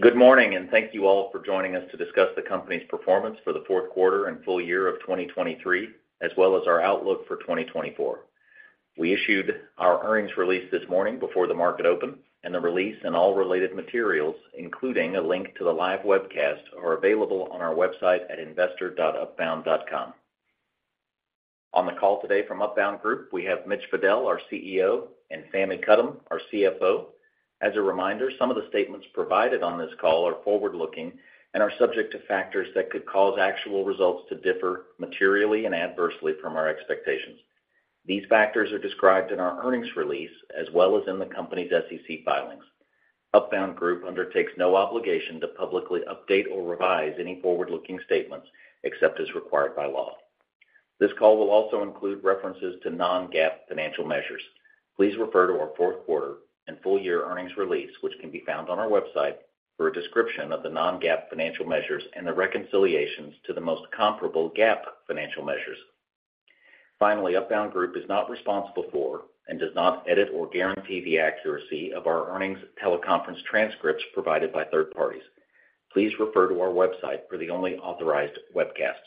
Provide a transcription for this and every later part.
Good morning, and thank you all for joining us to discuss the company's performance for the fourth quarter and full year of 2023, as well as our outlook for 2024. We issued our earnings release this morning before the market open, and the release and all related materials, including a link to the live webcast, are available on our website at investor.upbound.com. On the call today from Upbound Group, we have Mitch Fadel, our CEO, and Fahmi Karam, our CFO. As a reminder, some of the statements provided on this call are forward-looking and are subject to factors that could cause actual results to differ materially and adversely from our expectations. These factors are described in our earnings release as well as in the company's SEC filings. Upbound Group undertakes no obligation to publicly update or revise any forward-looking statements except as required by law. This call will also include references to non-GAAP financial measures. Please refer to our fourth quarter and full year earnings release, which can be found on our website, for a description of the non-GAAP financial measures and the reconciliations to the most comparable GAAP financial measures. Finally, Upbound Group is not responsible for and does not edit or guarantee the accuracy of our earnings teleconference transcripts provided by third parties. Please refer to our website for the only authorized webcasts.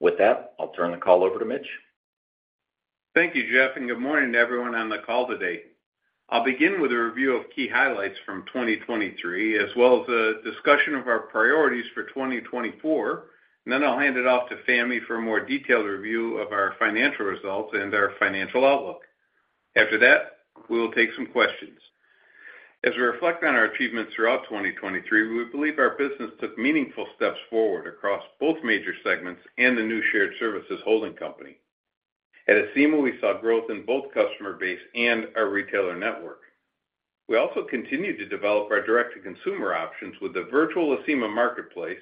With that, I'll turn the call over to Mitch. Thank you, Jeff, and good morning to everyone on the call today. I'll begin with a review of key highlights from 2023 as well as a discussion of our priorities for 2024, and then I'll hand it off to Fahmi for a more detailed review of our financial results and our financial outlook. After that, we will take some questions. As we reflect on our achievements throughout 2023, we believe our business took meaningful steps forward across both major segments and the new shared services holding company. At Acima, we saw growth in both customer base and our retailer network. We also continue to develop our direct-to-consumer options with the virtual Acima Marketplace,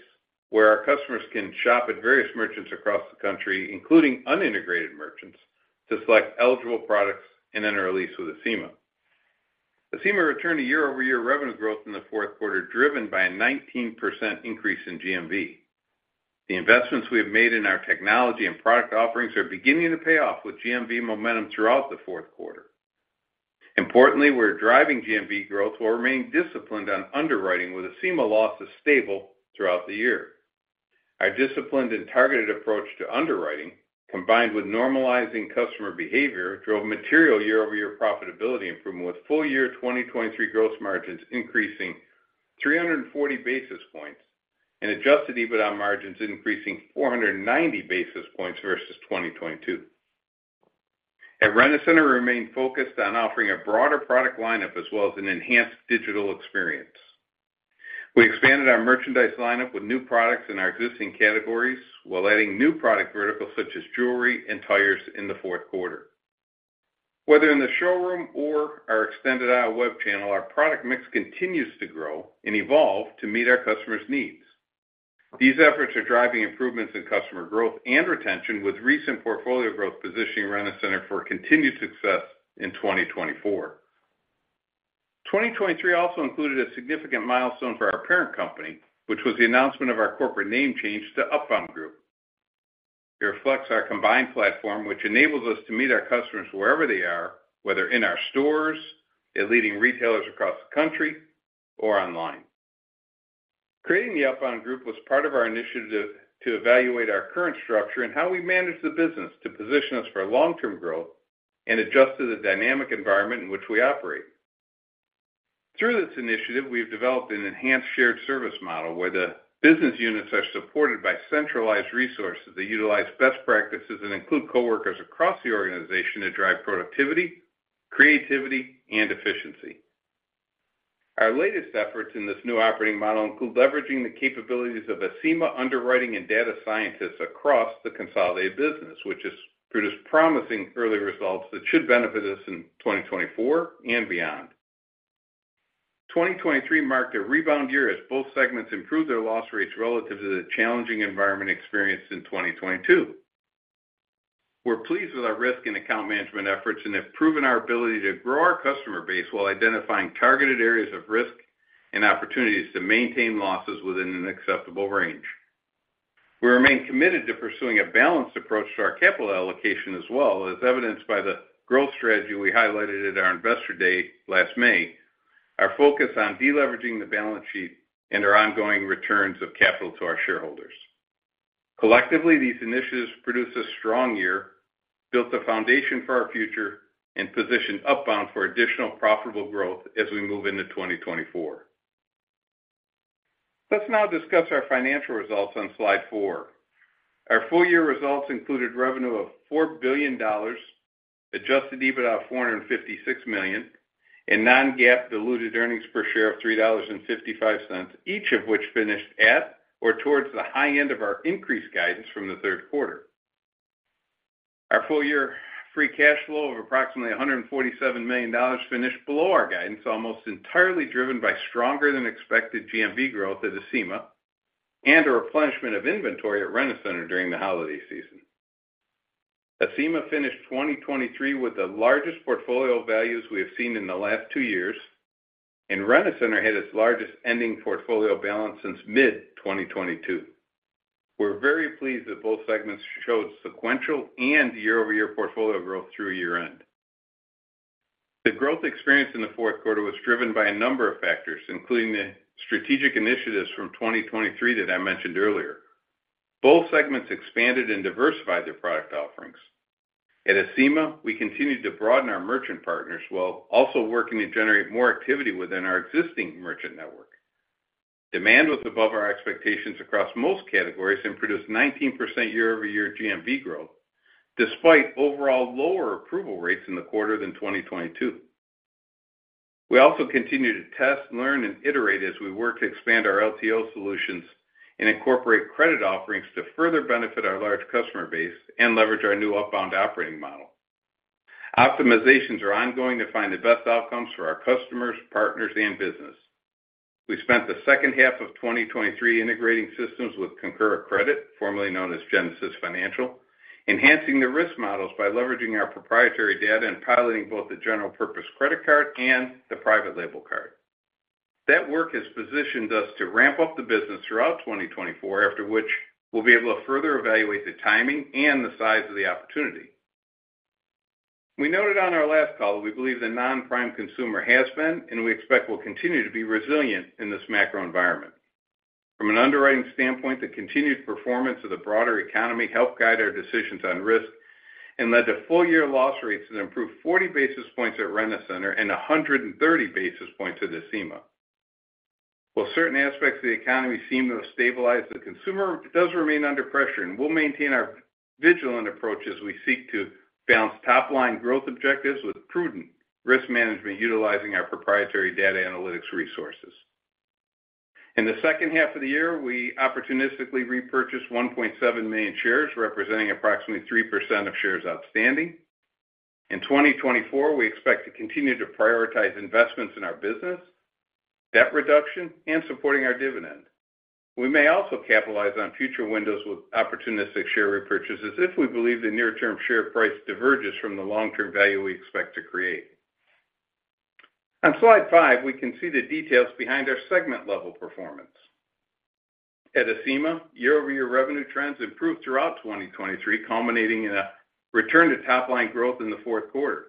where our customers can shop at various merchants across the country, including unintegrated merchants, to select eligible products and enter a lease with Acima. Acima returned to year-over-year revenue growth in the fourth quarter driven by a 19% increase in GMV. The investments we have made in our technology and product offerings are beginning to pay off with GMV momentum throughout the fourth quarter. Importantly, we're driving GMV growth while remaining disciplined on underwriting, with Acima losses stable throughout the year. Our disciplined and targeted approach to underwriting, combined with normalizing customer behavior, drove material year-over-year profitability improvement, with full year 2023 gross margins increasing 340 basis points and Adjusted EBITDA margins increasing 490 basis points versus 2022. At Rent-A-Center, we remained focused on offering a broader product lineup as well as an enhanced digital experience. We expanded our merchandise lineup with new products in our existing categories while adding new product verticals such as jewelry and tires in the fourth quarter. Whether in the showroom or our extended aisle web channel, our product mix continues to grow and evolve to meet our customers' needs. These efforts are driving improvements in customer growth and retention, with recent portfolio growth positioning Rent-A-Center for continued success in 2024. 2023 also included a significant milestone for our parent company, which was the announcement of our corporate name change to Upbound Group. It reflects our combined platform, which enables us to meet our customers wherever they are, whether in our stores, leading retailers across the country, or online. Creating the Upbound Group was part of our initiative to evaluate our current structure and how we manage the business to position us for long-term growth and adjust to the dynamic environment in which we operate. Through this initiative, we have developed an enhanced shared service model where the business units are supported by centralized resources that utilize best practices and include coworkers across the organization to drive productivity, creativity, and efficiency. Our latest efforts in this new operating model include leveraging the capabilities of Acima underwriting and data scientists across the consolidated business, which has produced promising early results that should benefit us in 2024 and beyond. 2023 marked a rebound year as both segments improved their loss rates relative to the challenging environment experienced in 2022. We're pleased with our risk and account management efforts and have proven our ability to grow our customer base while identifying targeted areas of risk and opportunities to maintain losses within an acceptable range. We remain committed to pursuing a balanced approach to our capital allocation, as well as evidenced by the growth strategy we highlighted at our investor day last May, our focus on deleveraging the balance sheet and our ongoing returns of capital to our shareholders. Collectively, these initiatives produced a strong year, built the foundation for our future, and positioned Upbound for additional profitable growth as we move into 2024. Let's now discuss our financial results on slide four. Our full year results included revenue of $4 billion, Adjusted EBITDA of $456 million, and Non-GAAP diluted earnings per share of $3.55, each of which finished at or towards the high end of our increase guidance from the third quarter. Our full year free cash flow of approximately $147 million finished below our guidance, almost entirely driven by stronger-than-expected GMV growth at Acima and a replenishment of inventory at Rent-A-Center during the holiday season. Acima finished 2023 with the largest portfolio values we have seen in the last two years, and Rent-A-Center had its largest ending portfolio balance since mid-2022. We're very pleased that both segments showed sequential and year-over-year portfolio growth through year-end. The growth experience in the fourth quarter was driven by a number of factors, including the strategic initiatives from 2023 that I mentioned earlier. Both segments expanded and diversified their product offerings. At Acima, we continued to broaden our merchant partners while also working to generate more activity within our existing merchant network. Demand was above our expectations across most categories and produced 19% year-over-year GMV growth despite overall lower approval rates in the quarter than 2022. We also continue to test, learn, and iterate as we work to expand our LTO solutions and incorporate credit offerings to further benefit our large customer base and leverage our new Upbound operating model. Optimizations are ongoing to find the best outcomes for our customers, partners, and business. We spent the second half of 2023 integrating systems with Concora Credit, formerly known as Genesis Financial, enhancing the risk models by leveraging our proprietary data and piloting both the general-purpose credit card and the private label card. That work has positioned us to ramp up the business throughout 2024, after which we'll be able to further evaluate the timing and the size of the opportunity. We noted on our last call that we believe the non-prime consumer has been, and we expect we'll continue to be resilient in this macro environment. From an underwriting standpoint, the continued performance of the broader economy helped guide our decisions on risk and led to full year loss rates that improved 40 basis points at Rent-A-Center and 130 basis points at Acima. While certain aspects of the economy seem to have stabilized, the consumer does remain under pressure, and we'll maintain our vigilant approach as we seek to balance top-line growth objectives with prudent risk management utilizing our proprietary data analytics resources. In the second half of the year, we opportunistically repurchased 1.7 million shares, representing approximately 3% of shares outstanding. In 2024, we expect to continue to prioritize investments in our business, debt reduction, and supporting our dividend. We may also capitalize on future windows with opportunistic share repurchases if we believe the near-term share price diverges from the long-term value we expect to create. On slide 5, we can see the details behind our segment-level performance. At Acima, year-over-year revenue trends improved throughout 2023, culminating in a return to top-line growth in the fourth quarter.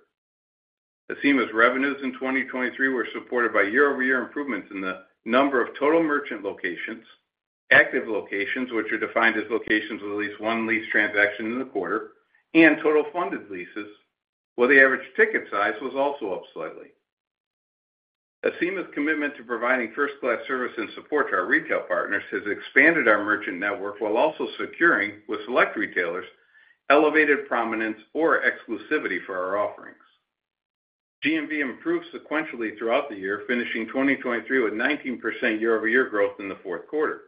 Acima's revenues in 2023 were supported by year-over-year improvements in the number of total merchant locations, active locations, which are defined as locations with at least one lease transaction in the quarter, and total funded leases, while the average ticket size was also up slightly. Acima's commitment to providing first-class service and support to our retail partners has expanded our merchant network while also securing, with select retailers, elevated prominence or exclusivity for our offerings. GMV improved sequentially throughout the year, finishing 2023 with 19% year-over-year growth in the fourth quarter.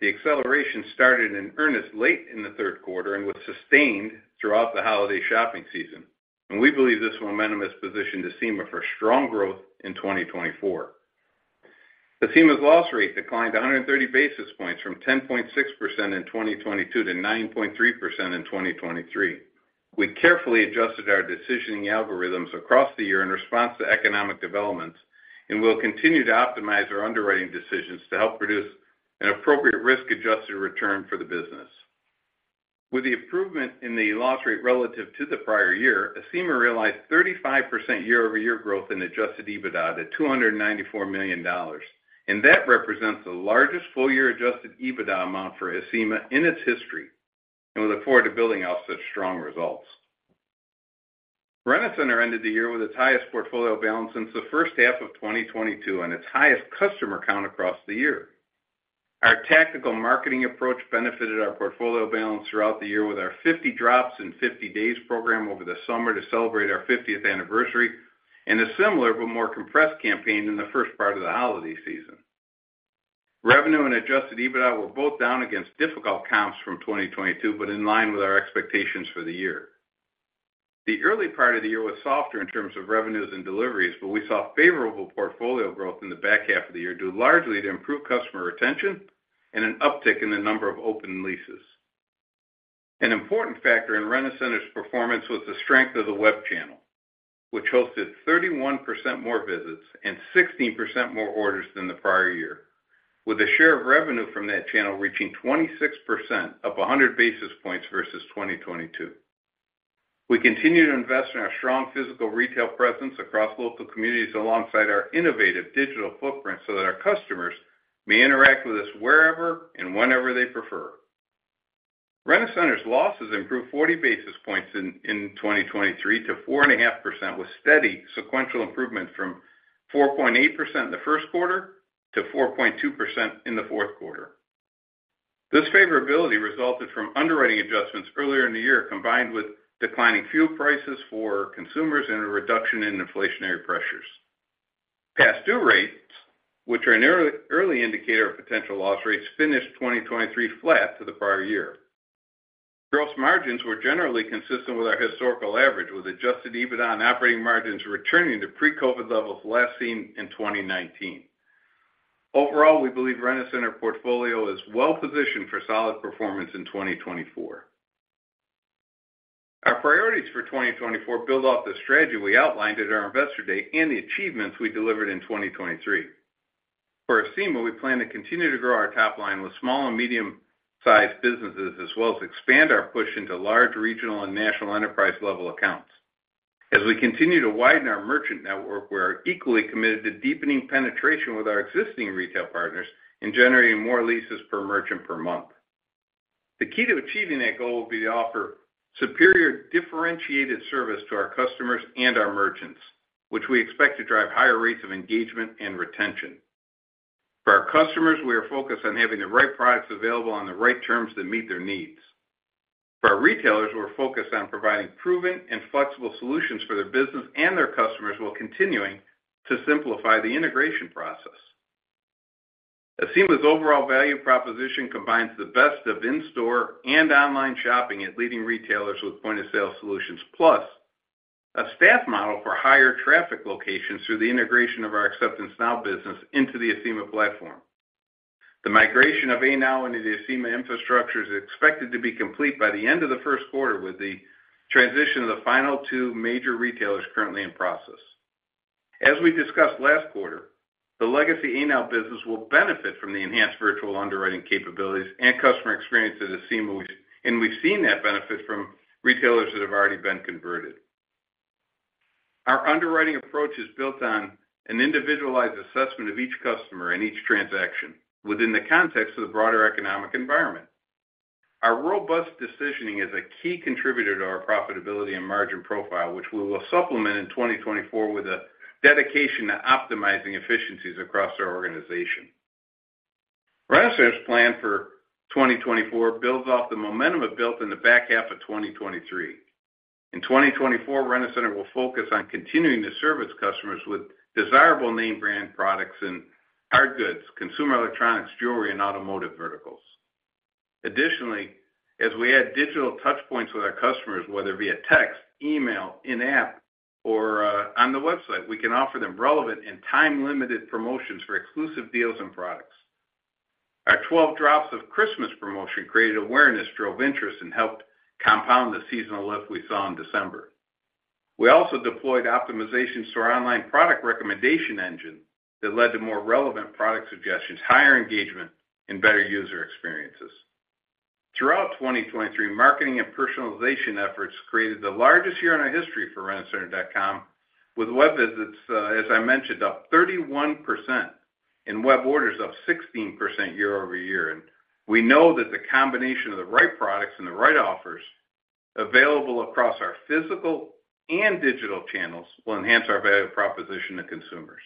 The acceleration started in earnest late in the third quarter and was sustained throughout the holiday shopping season, and we believe this momentum has positioned Acima for strong growth in 2024. Acima's loss rate declined 130 basis points from 10.6% in 2022 to 9.3% in 2023. We carefully adjusted our decisioning algorithms across the year in response to economic developments, and we'll continue to optimize our underwriting decisions to help produce an appropriate risk-adjusted return for the business. With the improvement in the loss rate relative to the prior year, Acima realized 35% year-over-year growth in adjusted EBITDA to $294 million, and that represents the largest full year adjusted EBITDA amount for Acima in its history and with affordability offset strong results. Rent-A-Center ended the year with its highest portfolio balance since the first half of 2022 and its highest customer count across the year. Our tactical marketing approach benefited our portfolio balance throughout the year with our 50 Drops in 50 Days program over the summer to celebrate our 50th anniversary and a similar but more compressed campaign in the first part of the holiday season. Revenue and Adjusted EBITDA were both down against difficult comps from 2022 but in line with our expectations for the year. The early part of the year was softer in terms of revenues and deliveries, but we saw favorable portfolio growth in the back half of the year due largely to improved customer retention and an uptick in the number of open leases. An important factor in Rent-A-Center's performance was the strength of the web channel, which hosted 31% more visits and 16% more orders than the prior year, with a share of revenue from that channel reaching 26%, up 100 basis points versus 2022. We continue to invest in our strong physical retail presence across local communities alongside our innovative digital footprint so that our customers may interact with us wherever and whenever they prefer. Rent-A-Center's losses improved 40 basis points in 2023 to 4.5% with steady sequential improvement from 4.8% in the first quarter to 4.2% in the fourth quarter. This favorability resulted from underwriting adjustments earlier in the year combined with declining fuel prices for consumers and a reduction in inflationary pressures. Past-due rates, which are an early indicator of potential loss rates, finished 2023 flat to the prior year. Gross margins were generally consistent with our historical average, with Adjusted EBITDA and operating margins returning to pre-COVID levels last seen in 2019. Overall, we believe Rent-A-Center's portfolio is well-positioned for solid performance in 2024. Our priorities for 2024 build off the strategy we outlined at our investor day and the achievements we delivered in 2023. For Acima, we plan to continue to grow our top-line with small and medium-sized businesses as well as expand our push into large regional and national enterprise-level accounts. As we continue to widen our merchant network, we are equally committed to deepening penetration with our existing retail partners and generating more leases per merchant per month. The key to achieving that goal will be to offer superior differentiated service to our customers and our merchants, which we expect to drive higher rates of engagement and retention. For our customers, we are focused on having the right products available on the right terms that meet their needs. For our retailers, we're focused on providing proven and flexible solutions for their business and their customers while continuing to simplify the integration process. Acima's overall value proposition combines the best of in-store and online shopping at leading retailers with point-of-sale solutions plus a staff model for higher traffic locations through the integration of our AcceptanceNOW business into the Acima platform. The migration of ANOW into the Acima infrastructure is expected to be complete by the end of the first quarter with the transition of the final two major retailers currently in process. As we discussed last quarter, the legacy ANOW business will benefit from the enhanced virtual underwriting capabilities and customer experience at Acima, and we've seen that benefit from retailers that have already been converted. Our underwriting approach is built on an individualized assessment of each customer and each transaction within the context of the broader economic environment. Our robust decisioning is a key contributor to our profitability and margin profile, which we will supplement in 2024 with a dedication to optimizing efficiencies across our organization. Rent-A-Center's plan for 2024 builds off the momentum built in the back half of 2023. In 2024, Rent-A-Center will focus on continuing to serve its customers with desirable name brand products and hard goods, consumer electronics, jewelry, and automotive verticals. Additionally, as we add digital touchpoints with our customers, whether via text, email, in-app, or on the website, we can offer them relevant and time-limited promotions for exclusive deals and products. Our 12 Drops of Christmas promotion created awareness, drove interest, and helped compound the seasonal lift we saw in December. We also deployed optimizations to our online product recommendation engine that led to more relevant product suggestions, higher engagement, and better user experiences. Throughout 2023, marketing and personalization efforts created the largest year in our history for rentacenter.com, with web visits, as I mentioned, up 31% and web orders up 16% year-over-year. We know that the combination of the right products and the right offers available across our physical and digital channels will enhance our value proposition to consumers.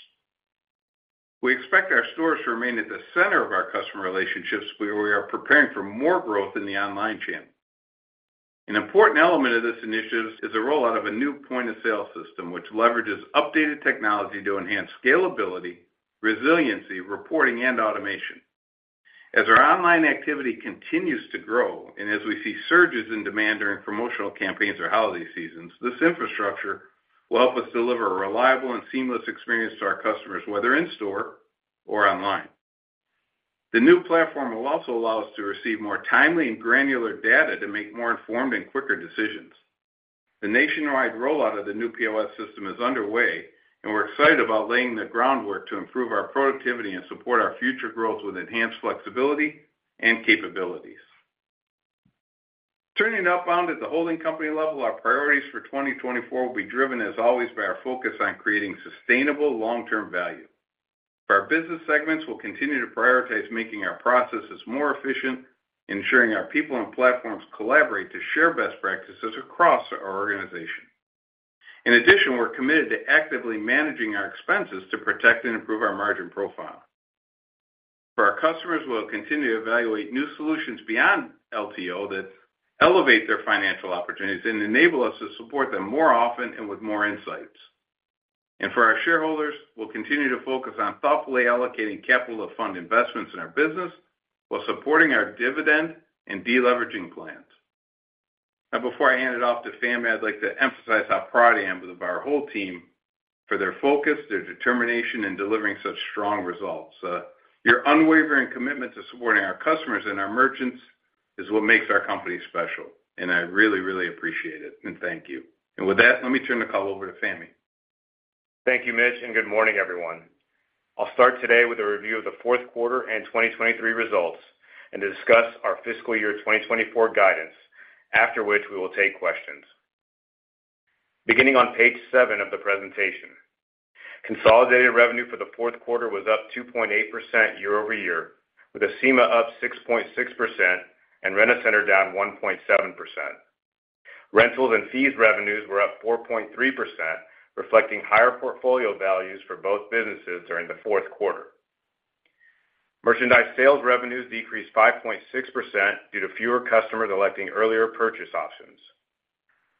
We expect our stores to remain at the center of our customer relationships where we are preparing for more growth in the online channel. An important element of this initiative is the rollout of a new point-of-sale system, which leverages updated technology to enhance scalability, resiliency, reporting, and automation. As our online activity continues to grow and as we see surges in demand during promotional campaigns or holiday seasons, this infrastructure will help us deliver a reliable and seamless experience to our customers, whether in-store or online. The new platform will also allow us to receive more timely and granular data to make more informed and quicker decisions. The nationwide rollout of the new POS system is underway, and we're excited about laying the groundwork to improve our productivity and support our future growth with enhanced flexibility and capabilities. Turning Upbound at the holding company level, our priorities for 2024 will be driven, as always, by our focus on creating sustainable long-term value. For our business segments, we'll continue to prioritize making our processes more efficient, ensuring our people and platforms collaborate to share best practices across our organization. In addition, we're committed to actively managing our expenses to protect and improve our margin profile. For our customers, we'll continue to evaluate new solutions beyond LTO that elevate their financial opportunities and enable us to support them more often and with more insights. For our shareholders, we'll continue to focus on thoughtfully allocating capital to fund investments in our business while supporting our dividend and deleveraging plans. Now, before I hand it off to Fahmi, I'd like to emphasize how proud I am of our whole team for their focus, their determination, and delivering such strong results. Your unwavering commitment to supporting our customers and our merchants is what makes our company special, and I really, really appreciate it. Thank you. With that, let me turn the call over to Fahmi. Thank you, Mitch, and good morning, everyone. I'll start today with a review of the fourth quarter and 2023 results and to discuss our fiscal year 2024 guidance, after which we will take questions. Beginning on page seven of the presentation, consolidated revenue for the fourth quarter was up 2.8% year-over-year, with Acima up 6.6% and Rent-A-Center down 1.7%. Rentals and fees revenues were up 4.3%, reflecting higher portfolio values for both businesses during the fourth quarter. Merchandise sales revenues decreased 5.6% due to fewer customers electing earlier purchase options.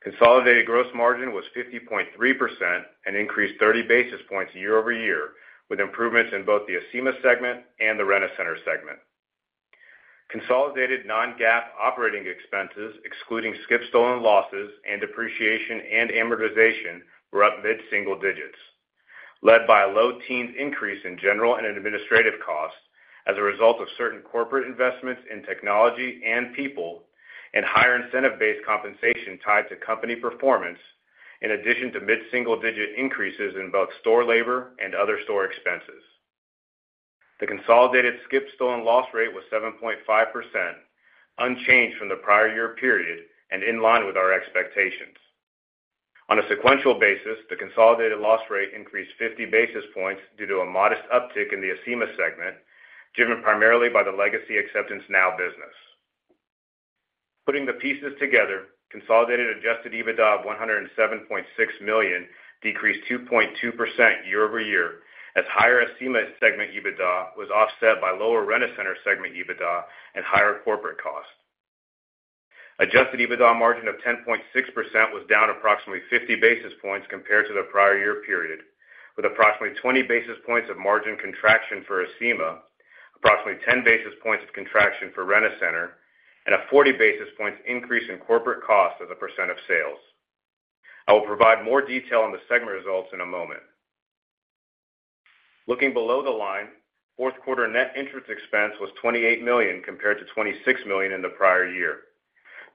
Consolidated gross margin was 50.3% and increased 30 basis points year-over-year, with improvements in both the Acima segment and the Rent-A-Center segment. Consolidated non-GAAP operating expenses, excluding skip-stolen losses and depreciation and amortization, were up mid-single digits, led by a low teens increase in general and administrative costs as a result of certain corporate investments in technology and people and higher incentive-based compensation tied to company performance, in addition to mid-single digit increases in both store labor and other store expenses. The consolidated skip-stolen loss rate was 7.5%, unchanged from the prior year period and in line with our expectations. On a sequential basis, the consolidated loss rate increased 50 basis points due to a modest uptick in the Acima segment, driven primarily by the legacy AcceptanceNOW business. Putting the pieces together, consolidated adjusted EBITDA of $107.6 million decreased 2.2% year-over-year, as higher Acima segment EBITDA was offset by lower Rent-A-Center segment EBITDA and higher corporate costs. Adjusted EBITDA margin of 10.6% was down approximately 50 basis points compared to the prior year period, with approximately 20 basis points of margin contraction for Acima, approximately 10 basis points of contraction for Rent-A-Center, and a 40 basis points increase in corporate costs as a percent of sales. I will provide more detail on the segment results in a moment. Looking below the line, fourth quarter net interest expense was $28 million compared to $26 million in the prior year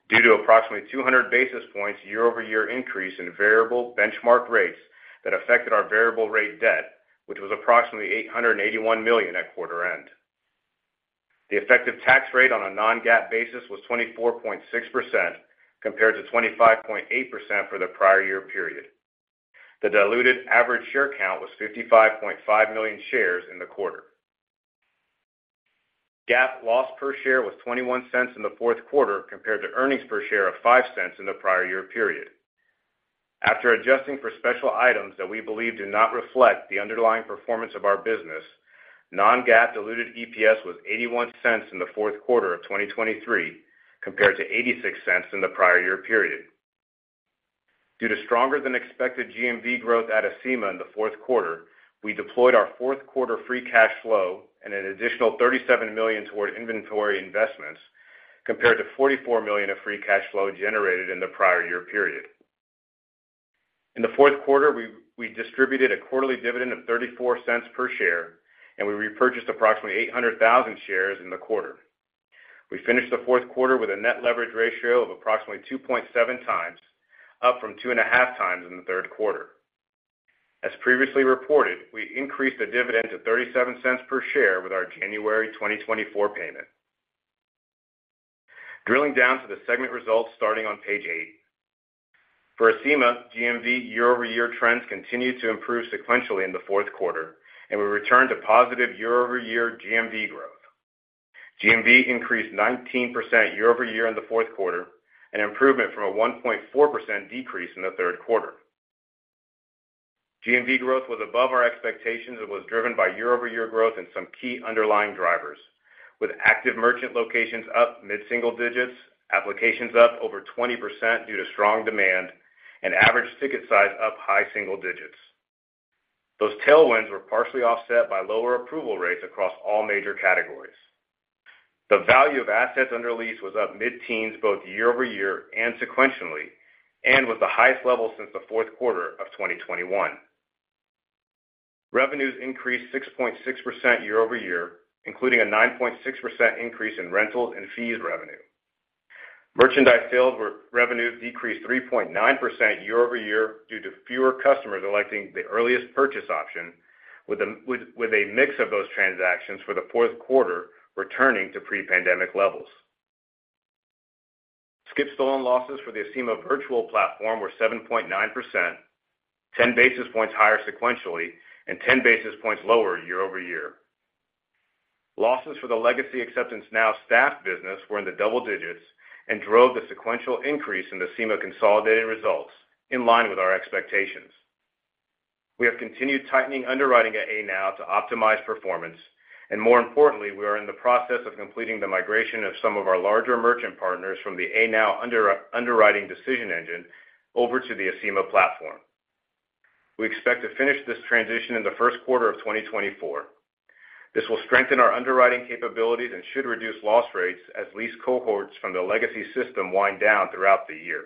due to approximately 200 basis points year-over-year increase in variable benchmark rates that affected our variable rate debt, which was approximately $881 million at quarter end. The effective tax rate on a non-GAAP basis was 24.6% compared to 25.8% for the prior year period. The diluted average share count was 55.5 million shares in the quarter. GAAP loss per share was $0.21 in the fourth quarter compared to earnings per share of $0.05 in the prior year period. After adjusting for special items that we believe do not reflect the underlying performance of our business, non-GAAP diluted EPS was $0.81 in the fourth quarter of 2023 compared to $0.86 in the prior year period. Due to stronger than expected GMV growth at Acima in the fourth quarter, we deployed our fourth quarter free cash flow and an additional $37 million toward inventory investments compared to $44 million of free cash flow generated in the prior year period. In the fourth quarter, we distributed a quarterly dividend of $0.34 per share, and we repurchased approximately 800,000 shares in the quarter. We finished the fourth quarter with a net leverage ratio of approximately 2.7 times, up from 2.5 times in the third quarter. As previously reported, we increased the dividend to $0.37 per share with our January 2024 payment. Drilling down to the segment results starting on page 8, for Acima, GMV year-over-year trends continued to improve sequentially in the fourth quarter, and we returned to positive year-over-year GMV growth. GMV increased 19% year-over-year in the fourth quarter, an improvement from a 1.4% decrease in the third quarter. GMV growth was above our expectations and was driven by year-over-year growth and some key underlying drivers, with active merchant locations up mid-single digits, applications up over 20% due to strong demand, and average ticket size up high single digits. Those tailwinds were partially offset by lower approval rates across all major categories. The value of assets under lease was up mid-teens both year-over-year and sequentially and was the highest level since the fourth quarter of 2021. Revenues increased 6.6% year-over-year, including a 9.6% increase in rentals and fees revenue. Merchandise sales revenues decreased 3.9% year-over-year due to fewer customers electing the earliest purchase option, with a mix of those transactions for the fourth quarter returning to pre-pandemic levels. Skip-stolen losses for the Acima virtual platform were 7.9%, 10 basis points higher sequentially, and 10 basis points lower year-over-year. Losses for the legacy AcceptanceNOW staffed business were in the double digits and drove the sequential increase in the Acima consolidated results in line with our expectations. We have continued tightening underwriting at ANOW to optimize performance, and more importantly, we are in the process of completing the migration of some of our larger merchant partners from the ANOW underwriting decision engine over to the Acima platform. We expect to finish this transition in the first quarter of 2024. This will strengthen our underwriting capabilities and should reduce loss rates as lease cohorts from the legacy system wind down throughout the year.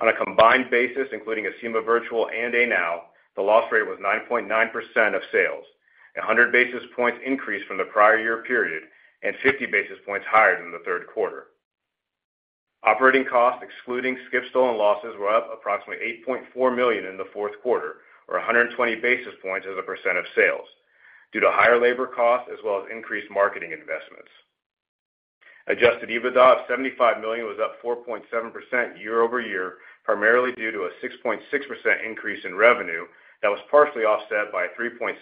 On a combined basis, including Acima virtual and ANOW, the loss rate was 9.9% of sales, a 100 basis points increase from the prior year period, and 50 basis points higher than the third quarter. Operating costs excluding skip-stolen losses were up approximately $8.4 million in the fourth quarter, or 120 basis points as a percent of sales due to higher labor costs as well as increased marketing investments. Adjusted EBITDA of $75 million was up 4.7% year-over-year, primarily due to a 6.6% increase in revenue that was partially offset by a 3.6%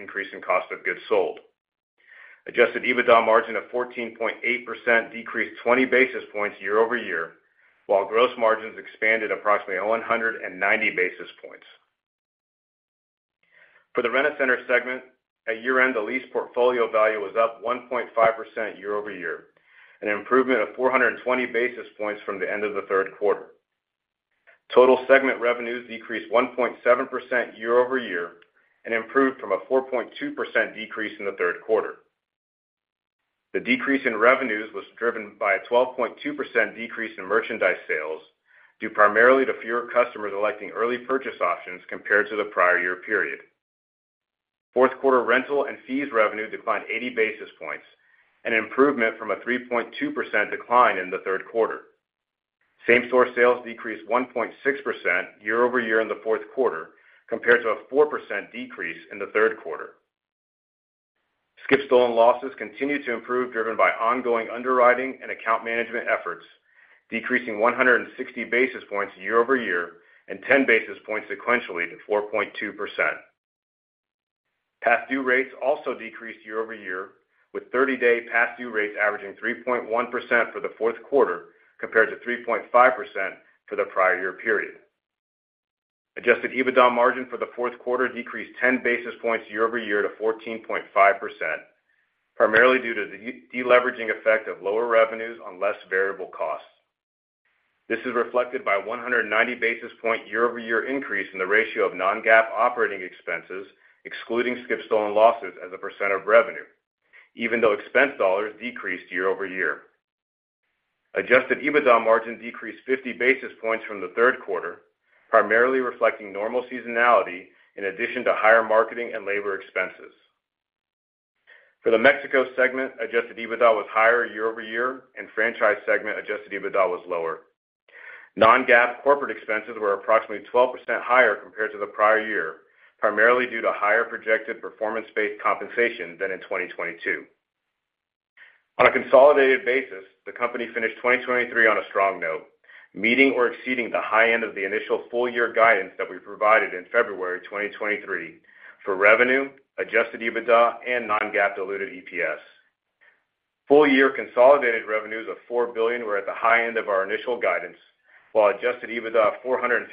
increase in cost of goods sold. Adjusted EBITDA margin of 14.8% decreased 20 basis points year-over-year, while gross margins expanded approximately 190 basis points. For the Rent-A-Center segment, at year end, the lease portfolio value was up 1.5% year-over-year, an improvement of 420 basis points from the end of the third quarter. Total segment revenues decreased 1.7% year-over-year and improved from a 4.2% decrease in the third quarter. The decrease in revenues was driven by a 12.2% decrease in merchandise sales due primarily to fewer customers electing early purchase options compared to the prior year period. Fourth quarter rental and fees revenue declined 80 basis points, an improvement from a 3.2% decline in the third quarter. Same-store sales decreased 1.6% year-over-year in the fourth quarter compared to a 4% decrease in the third quarter. Skip-stolen losses continue to improve, driven by ongoing underwriting and account management efforts, decreasing 160 basis points year-over-year and 10 basis points sequentially to 4.2%. Past-due rates also decreased year-over-year, with 30-day past-due rates averaging 3.1% for the fourth quarter compared to 3.5% for the prior year period. Adjusted EBITDA margin for the fourth quarter decreased 10 basis points year-over-year to 14.5%, primarily due to the deleveraging effect of lower revenues on less variable costs. This is reflected by a 190 basis point year-over-year increase in the ratio of non-GAAP operating expenses, excluding skip-stolen losses as a percent of revenue, even though expense dollars decreased year-over-year. Adjusted EBITDA margin decreased 50 basis points from the third quarter, primarily reflecting normal seasonality in addition to higher marketing and labor expenses. For the Mexico segment, adjusted EBITDA was higher year-over-year, and franchise segment adjusted EBITDA was lower. Non-GAAP corporate expenses were approximately 12% higher compared to the prior year, primarily due to higher projected performance-based compensation than in 2022. On a consolidated basis, the company finished 2023 on a strong note, meeting or exceeding the high end of the initial full year guidance that we provided in February 2023 for revenue, adjusted EBITDA, and non-GAAP diluted EPS. Full year consolidated revenues of $4 billion were at the high end of our initial guidance, while adjusted EBITDA of $456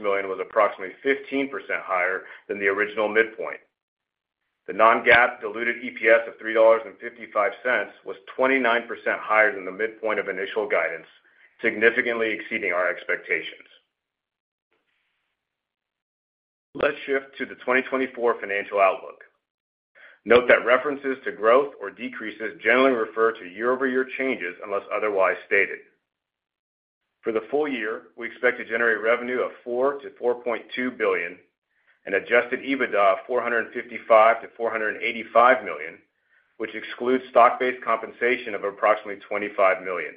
million was approximately 15% higher than the original midpoint. The non-GAAP diluted EPS of $3.55 was 29% higher than the midpoint of initial guidance, significantly exceeding our expectations. Let's shift to the 2024 financial outlook. Note that references to growth or decreases generally refer to year-over-year changes unless otherwise stated. For the full year, we expect to generate revenue of $4-$4.2 billion and Adjusted EBITDA of $455-$485 million, which excludes stock-based compensation of approximately $25 million.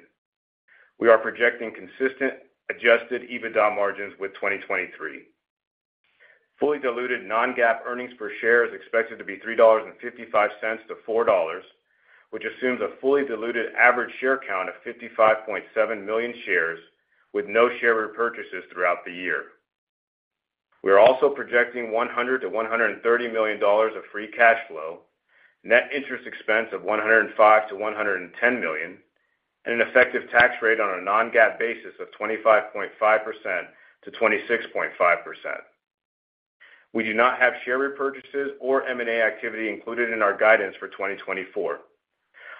We are projecting consistent Adjusted EBITDA margins with 2023. Fully diluted non-GAAP earnings per share is expected to be $3.55-$4, which assumes a fully diluted average share count of 55.7 million shares with no share repurchases throughout the year. We are also projecting $100-$130 million of free cash flow, net interest expense of $105-$110 million, and an effective tax rate on a non-GAAP basis of 25.5%-26.5%. We do not have share repurchases or M&A activity included in our guidance for 2024.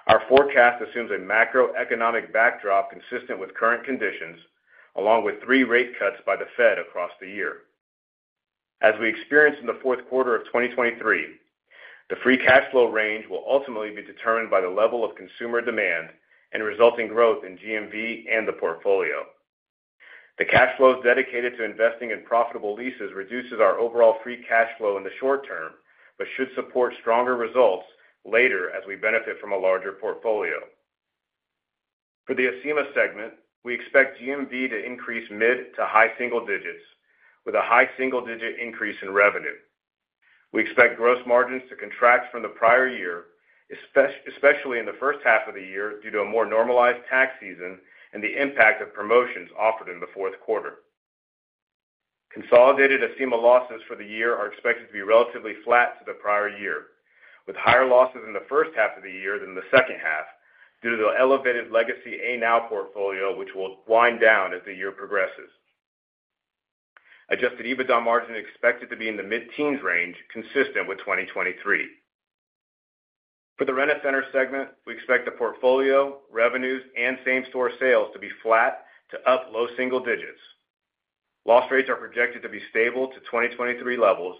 Our forecast assumes a macroeconomic backdrop consistent with current conditions, along with three rate cuts by the Fed across the year. As we experienced in the fourth quarter of 2023, the free cash flow range will ultimately be determined by the level of consumer demand and resulting growth in GMV and the portfolio. The cash flows dedicated to investing in profitable leases reduces our overall free cash flow in the short term but should support stronger results later as we benefit from a larger portfolio. For the Acima segment, we expect GMV to increase mid- to high-single digits, with a high-single-digit increase in revenue. We expect gross margins to contract from the prior year, especially in the first half of the year due to a more normalized tax season and the impact of promotions offered in the fourth quarter. Consolidated Acima losses for the year are expected to be relatively flat to the prior year, with higher losses in the first half of the year than the second half due to the elevated legacy ANOW portfolio, which will wind down as the year progresses. Adjusted EBITDA margin expected to be in the mid-teens range, consistent with 2023. For the Rent-A-Center segment, we expect the portfolio, revenues, and same-store sales to be flat to up low single digits. Loss rates are projected to be stable to 2023 levels.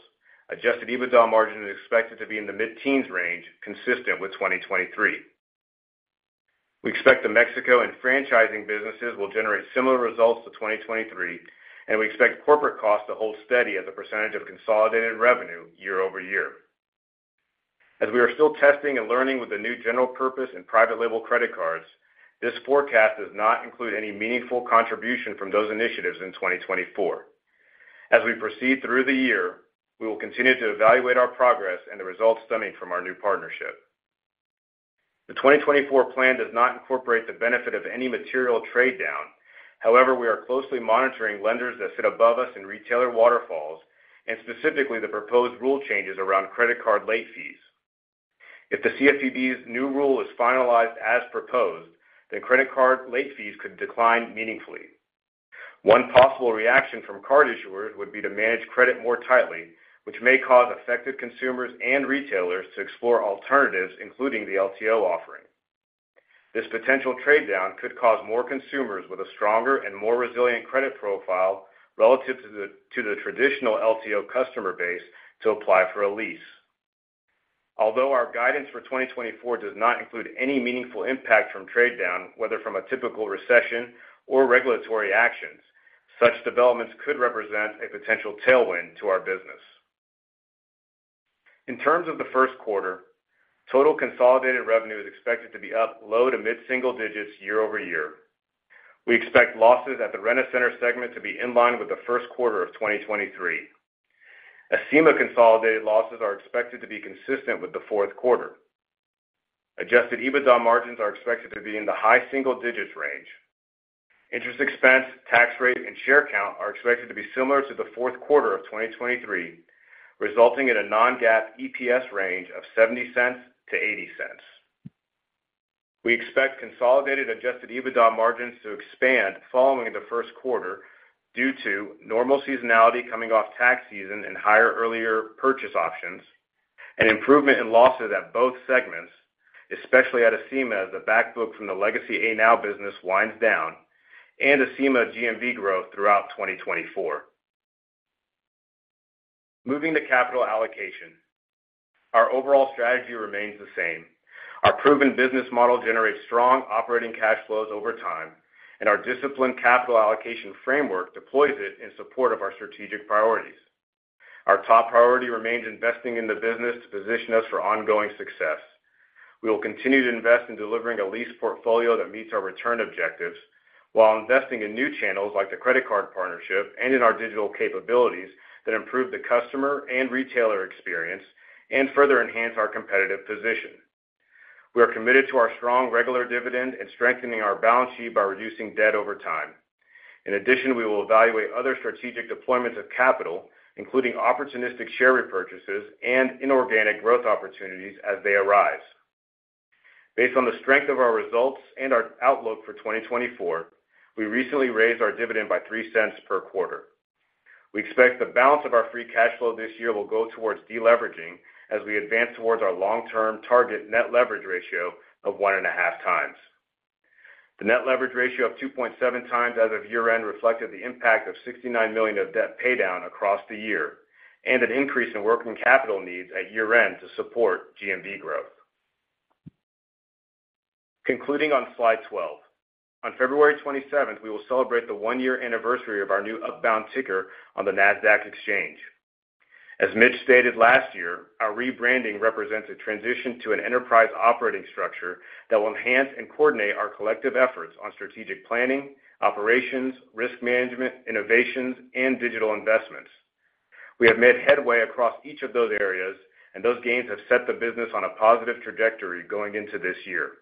Adjusted EBITDA margin is expected to be in the mid-teens range, consistent with 2023. We expect the Mexico and franchising businesses will generate similar results to 2023, and we expect corporate costs to hold steady as a percentage of consolidated revenue year-over-year. As we are still testing and learning with the new general purpose and private label credit cards, this forecast does not include any meaningful contribution from those initiatives in 2024. As we proceed through the year, we will continue to evaluate our progress and the results stemming from our new partnership. The 2024 plan does not incorporate the benefit of any material trade down. However, we are closely monitoring lenders that sit above us in retailer waterfalls and specifically the proposed rule changes around credit card late fees. If the CFPB's new rule is finalized as proposed, then credit card late fees could decline meaningfully. One possible reaction from card issuers would be to manage credit more tightly, which may cause affected consumers and retailers to explore alternatives, including the LTO offering. This potential trade down could cause more consumers with a stronger and more resilient credit profile relative to the traditional LTO customer base to apply for a lease. Although our guidance for 2024 does not include any meaningful impact from trade down, whether from a typical recession or regulatory actions, such developments could represent a potential tailwind to our business. In terms of the first quarter, total consolidated revenue is expected to be up low- to mid-single digits year-over-year. We expect losses at the Rent-A-Center segment to be in line with the first quarter of 2023. Acima consolidated losses are expected to be consistent with the fourth quarter. Adjusted EBITDA margins are expected to be in the high-single-digits range. Interest expense, tax rate, and share count are expected to be similar to the fourth quarter of 2023, resulting in a non-GAAP EPS range of $0.70-$0.80. We expect consolidated Adjusted EBITDA margins to expand following the first quarter due to normal seasonality coming off tax season and higher early purchase options, an improvement in losses at both segments, especially at Acima as the backbook from the legacy ANOW business winds down, and Acima GMV growth throughout 2024. Moving to capital allocation, our overall strategy remains the same. Our proven business model generates strong operating cash flows over time, and our disciplined capital allocation framework deploys it in support of our strategic priorities. Our top priority remains investing in the business to position us for ongoing success. We will continue to invest in delivering a lease portfolio that meets our return objectives while investing in new channels like the credit card partnership and in our digital capabilities that improve the customer and retailer experience and further enhance our competitive position. We are committed to our strong regular dividend and strengthening our balance sheet by reducing debt over time. In addition, we will evaluate other strategic deployments of capital, including opportunistic share repurchases and inorganic growth opportunities as they arise. Based on the strength of our results and our outlook for 2024, we recently raised our dividend by $0.03 per quarter. We expect the balance of our free cash flow this year will go towards deleveraging as we advance towards our long-term target net leverage ratio of 1.5 times. The net leverage ratio of 2.7 times as of year end reflected the impact of $69 million of debt paydown across the year and an increase in working capital needs at year end to support GMV growth. Concluding on slide 12, on February 27th, we will celebrate the one-year anniversary of our new Upbound ticker on the NASDAQ exchange. As Mitch stated last year, our rebranding represents a transition to an enterprise operating structure that will enhance and coordinate our collective efforts on strategic planning, operations, risk management, innovations, and digital investments. We have made headway across each of those areas, and those gains have set the business on a positive trajectory going into this year.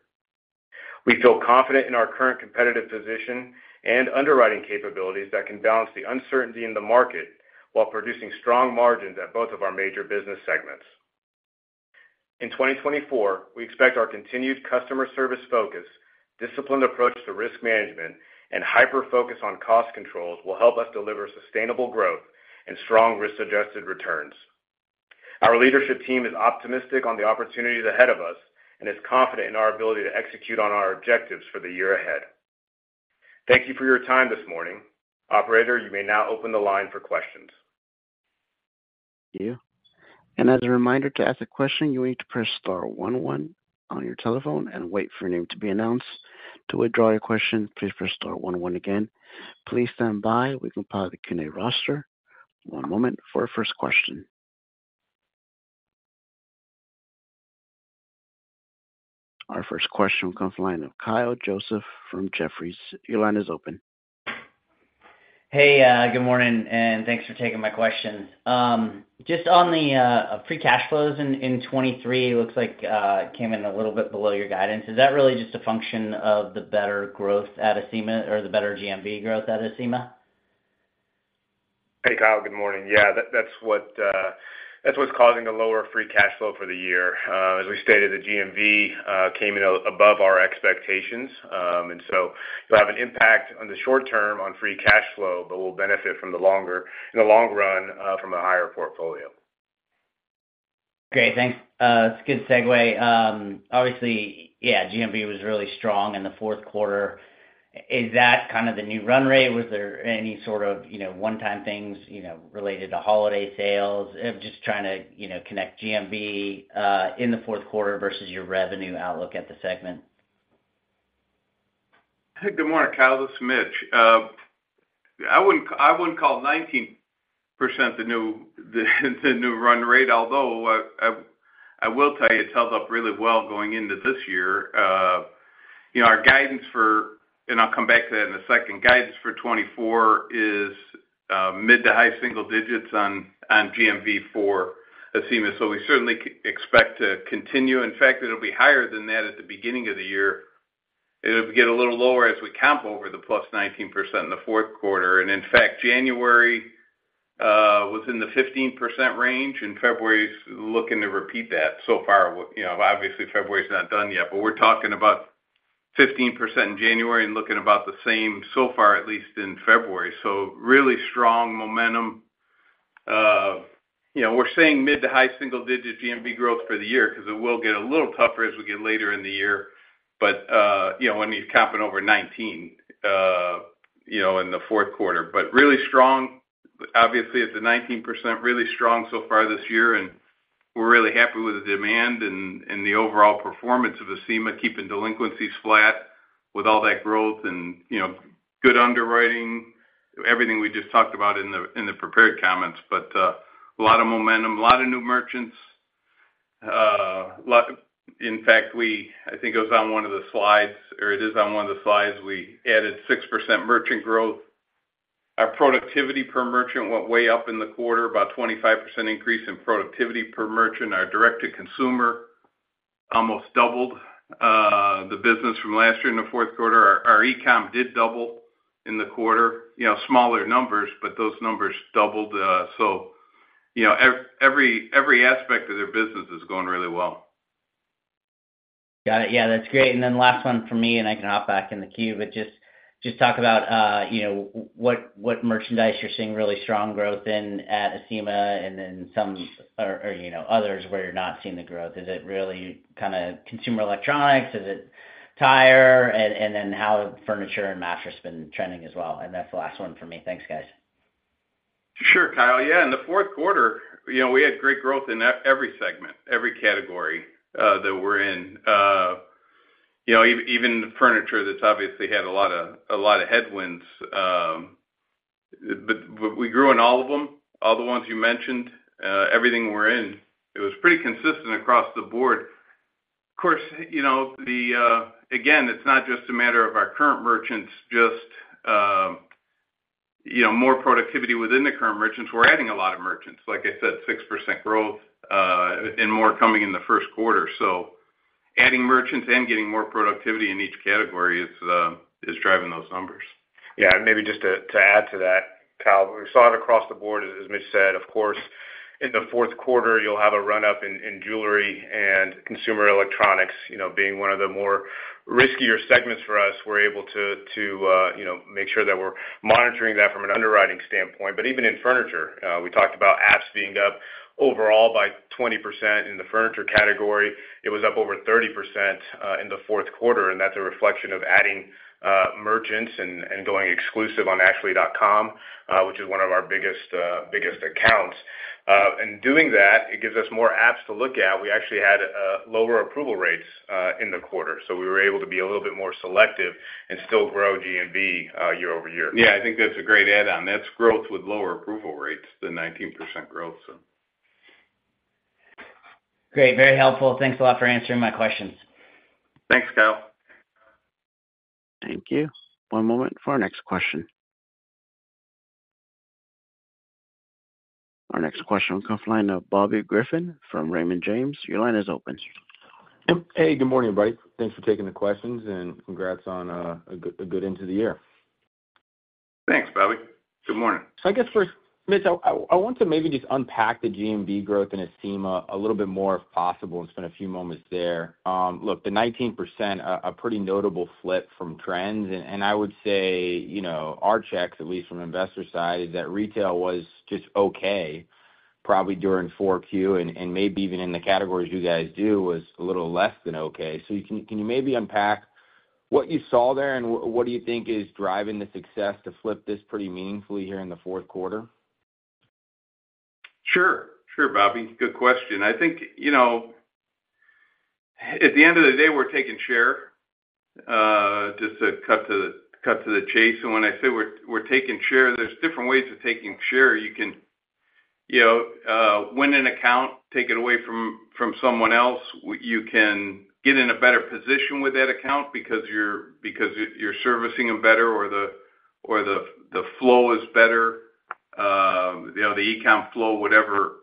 We feel confident in our current competitive position and underwriting capabilities that can balance the uncertainty in the market while producing strong margins at both of our major business segments. In 2024, we expect our continued customer service focus, disciplined approach to risk management, and hyper-focus on cost controls will help us deliver sustainable growth and strong risk-adjusted returns. Our leadership team is optimistic on the opportunities ahead of us and is confident in our ability to execute on our objectives for the year ahead. Thank you for your time this morning. Operator, you may now open the line for questions. Thank you. And as a reminder, to ask a question, you will need to press star 11 on your telephone and wait for your name to be announced. To withdraw your question, please press star 11 again. Please stand by. We compile the Q&A roster. One moment for our first question. Our first question will come from the line of Kyle Joseph from Jefferies. Your line is open. Hey. Good morning. And thanks for taking my question. Just on the free cash flows in 2023, it looks like it came in a little bit below your guidance. Is that really just a function of the better growth at Acima or the better GMV growth at Acima? Hey, Kyle. Good morning. Yeah. That's what's causing the lower free cash flow for the year. As we stated, the GMV came in above our expectations. And so it'll have an impact on the short term on free cash flow, but we'll benefit from the long run from a higher portfolio. Great. Thanks. That's a good segue. Obviously, yeah, GMV was really strong in the fourth quarter. Is that kind of the new run rate? Was there any sort of one-time things related to holiday sales? I'm just trying to connect GMV in the fourth quarter versus your revenue outlook at the segment. Hey. Good morning, Kyle. This is Mitch. I wouldn't call 19% the new run rate, although I will tell you it held up really well going into this year. Our guidance for and I'll come back to that in a second. Guidance for 2024 is mid- to high-single digits on GMV for Acima. So we certainly expect to continue. In fact, it'll be higher than that at the beginning of the year. It'll get a little lower as we comp over the +19% in the fourth quarter. And in fact, January was in the 15% range, and February's looking to repeat that so far. Obviously, February's not done yet, but we're talking about 15% in January and looking about the same so far, at least in February. So really strong momentum. We're saying mid- to high-single-digit GMV growth for the year because it will get a little tougher as we get later in the year when you're comping over 19% in the fourth quarter. But really strong. Obviously, it's a 19%. Really strong so far this year. And we're really happy with the demand and the overall performance of Acima, keeping delinquencies flat with all that growth and good underwriting, everything we just talked about in the prepared comments. But a lot of momentum, a lot of new merchants. In fact, I think it was on one of the slides or it is on one of the slides. We added 6% merchant growth. Our productivity per merchant went way up in the quarter, about 25% increase in productivity per merchant. Our direct-to-consumer almost doubled the business from last year in the fourth quarter. Our e-com did double in the quarter, smaller numbers, but those numbers doubled. So every aspect of their business is going really well. Got it. Yeah. That's great. And then last one for me, and I can hop back in the queue, but just talk about what merchandise you're seeing really strong growth in at Acima and then some or others where you're not seeing the growth. Is it really kind of consumer electronics? Is it tire? And then how have furniture and mattress been trending as well? And that's the last one for me. Thanks, guys. Sure, Kyle. Yeah. In the fourth quarter, we had great growth in every segment, every category that we're in, even furniture that's obviously had a lot of headwinds. But we grew in all of them, all the ones you mentioned. Everything we're in, it was pretty consistent across the board. Of course, again, it's not just a matter of our current merchants, just more productivity within the current merchants. We're adding a lot of merchants. Like I said, 6% growth and more coming in the first quarter. So adding merchants and getting more productivity in each category is driving those numbers. Yeah. And maybe just to add to that, Kyle, we saw it across the board, as Mitch said. Of course, in the fourth quarter, you'll have a run-up in jewelry and consumer electronics. Being one of the more riskier segments for us, we're able to make sure that we're monitoring that from an underwriting standpoint. But even in furniture, we talked about apps being up overall by 20% in the furniture category. It was up over 30% in the fourth quarter. And that's a reflection of adding merchants and going exclusive on Ashley.com, which is one of our biggest accounts. And doing that, it gives us more apps to look at. We actually had lower approval rates in the quarter. So we were able to be a little bit more selective and still grow GMV year-over-year. Yeah. I think that's a great add-on. That's growth with lower approval rates, the 19% growth, so. Great. Very helpful. Thanks a lot for answering my questions. Thanks, Kyle. Thank you. One moment for our next question. Our next question will come from the line of Bobby Griffin from Raymond James. Your line is open. Hey. Good morning, everybody. Thanks for taking the questions, and congrats on a good end to the year. Thanks, Bobby. Good morning. So I guess, Mitch, I want to maybe just unpack the GMV growth in Acima a little bit more, if possible, and spend a few moments there. Look, the 19%, a pretty notable flip from trends. And I would say our checks, at least from investor side, is that retail was just okay probably during 4Q and maybe even in the categories you guys do was a little less than okay. So can you maybe unpack what you saw there, and what do you think is driving the success to flip this pretty meaningfully here in the fourth quarter? Sure. Sure, Bobby. Good question. I think at the end of the day, we're taking share, just to cut to the chase. And when I say we're taking share, there's different ways of taking share. You can win an account, take it away from someone else. You can get in a better position with that account because you're servicing them better or the flow is better, the e-com flow, whatever.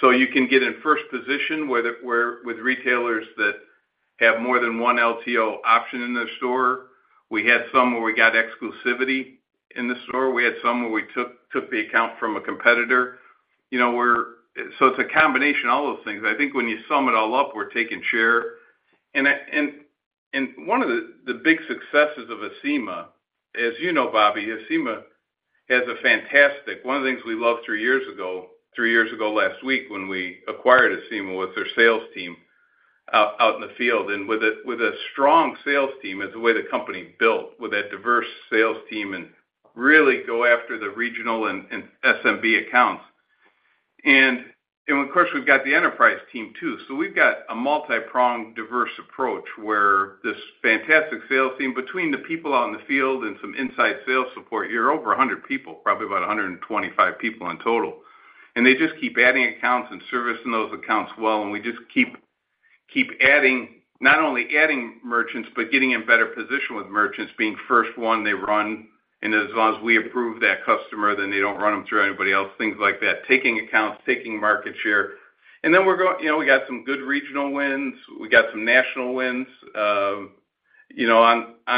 So you can get in first position with retailers that have more than one LTO option in their store. We had some where we got exclusivity in the store. We had some where we took the account from a competitor. So it's a combination, all those things. I think when you sum it all up, we're taking share. And one of the big successes of Acima as you know, Bobby, Acima has a fantastic one of the things we loved three years ago last week when we acquired Acima was their sales team out in the field. And with a strong sales team is the way the company built, with that diverse sales team and really go after the regional and SMB accounts. And of course, we've got the enterprise team too. So we've got a multipronged, diverse approach where this fantastic sales team between the people out in the field and some inside sales support, you're over 100 people, probably about 125 people in total. And they just keep adding accounts and servicing those accounts well. And we just keep adding not only adding merchants but getting in better position with merchants, being first one they run. And as long as we approve that customer, then they don't run them through anybody else, things like that, taking accounts, taking market share. And then we're going we got some good regional wins. We got some national wins on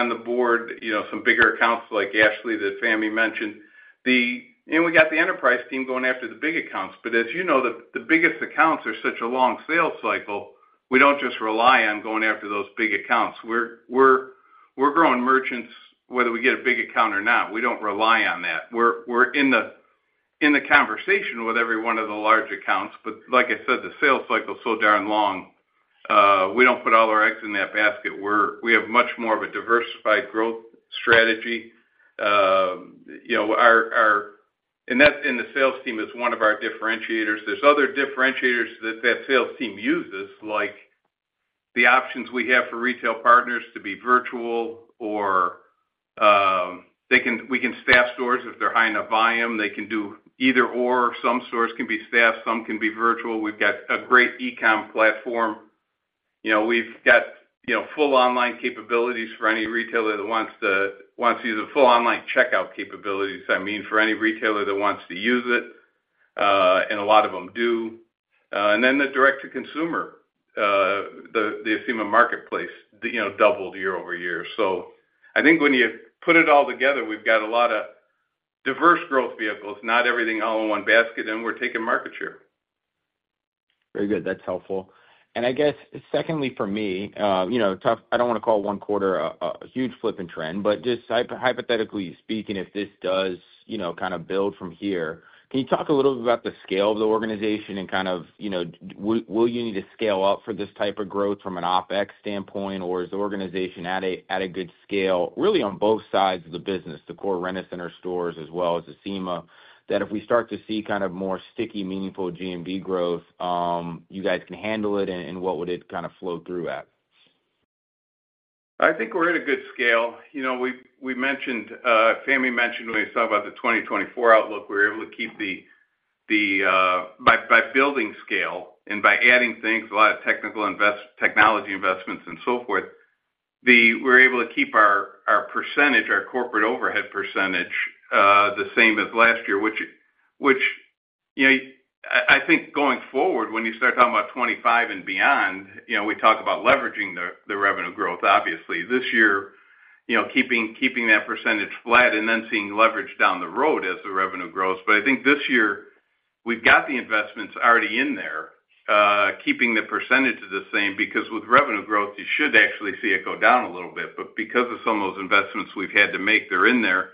the board, some bigger accounts like Ashley that Fahmi mentioned. And we got the enterprise team going after the big accounts. But as you know, the biggest accounts are such a long sales cycle. We don't just rely on going after those big accounts. We're growing merchants, whether we get a big account or not. We don't rely on that. We're in the conversation with every one of the large accounts. But like I said, the sales cycle's so darn long. We don't put all our eggs in that basket. We have much more of a diversified growth strategy. The sales team is one of our differentiators. There's other differentiators that that sales team uses, like the options we have for retail partners to be virtual. Or we can staff stores if they're high enough volume. They can do either/or. Some stores can be staffed. Some can be virtual. We've got a great e-com platform. We've got full online capabilities for any retailer that wants to use the full online checkout capabilities, I mean, for any retailer that wants to use it. A lot of them do. Then the direct-to-consumer, the Acima Marketplace, doubled year-over-year. So I think when you put it all together, we've got a lot of diverse growth vehicles, not everything all in one basket, and we're taking market share. Very good. That's helpful. And I guess, secondly, for me, I don't want to call one quarter a huge flip in trend. But just hypothetically speaking, if this does kind of build from here, can you talk a little bit about the scale of the organization and kind of will you need to scale up for this type of growth from an OpEx standpoint, or is the organization at a good scale, really on both sides of the business, the core Rent-A-Center stores as well as Acima, that if we start to see kind of more sticky, meaningful GMV growth, you guys can handle it, and what would it kind of flow through at? I think we're at a good scale. Fahmi mentioned when we talked about the 2024 outlook, we were able to keep the by building scale and by adding things, a lot of technology investments and so forth, we're able to keep our percentage, our corporate overhead percentage, the same as last year, which I think going forward, when you start talking about 2025 and beyond, we talk about leveraging the revenue growth, obviously, this year, keeping that percentage flat and then seeing leverage down the road as the revenue grows. But I think this year, we've got the investments already in there, keeping the percentage the same because with revenue growth, you should actually see it go down a little bit. But because of some of those investments we've had to make, they're in there.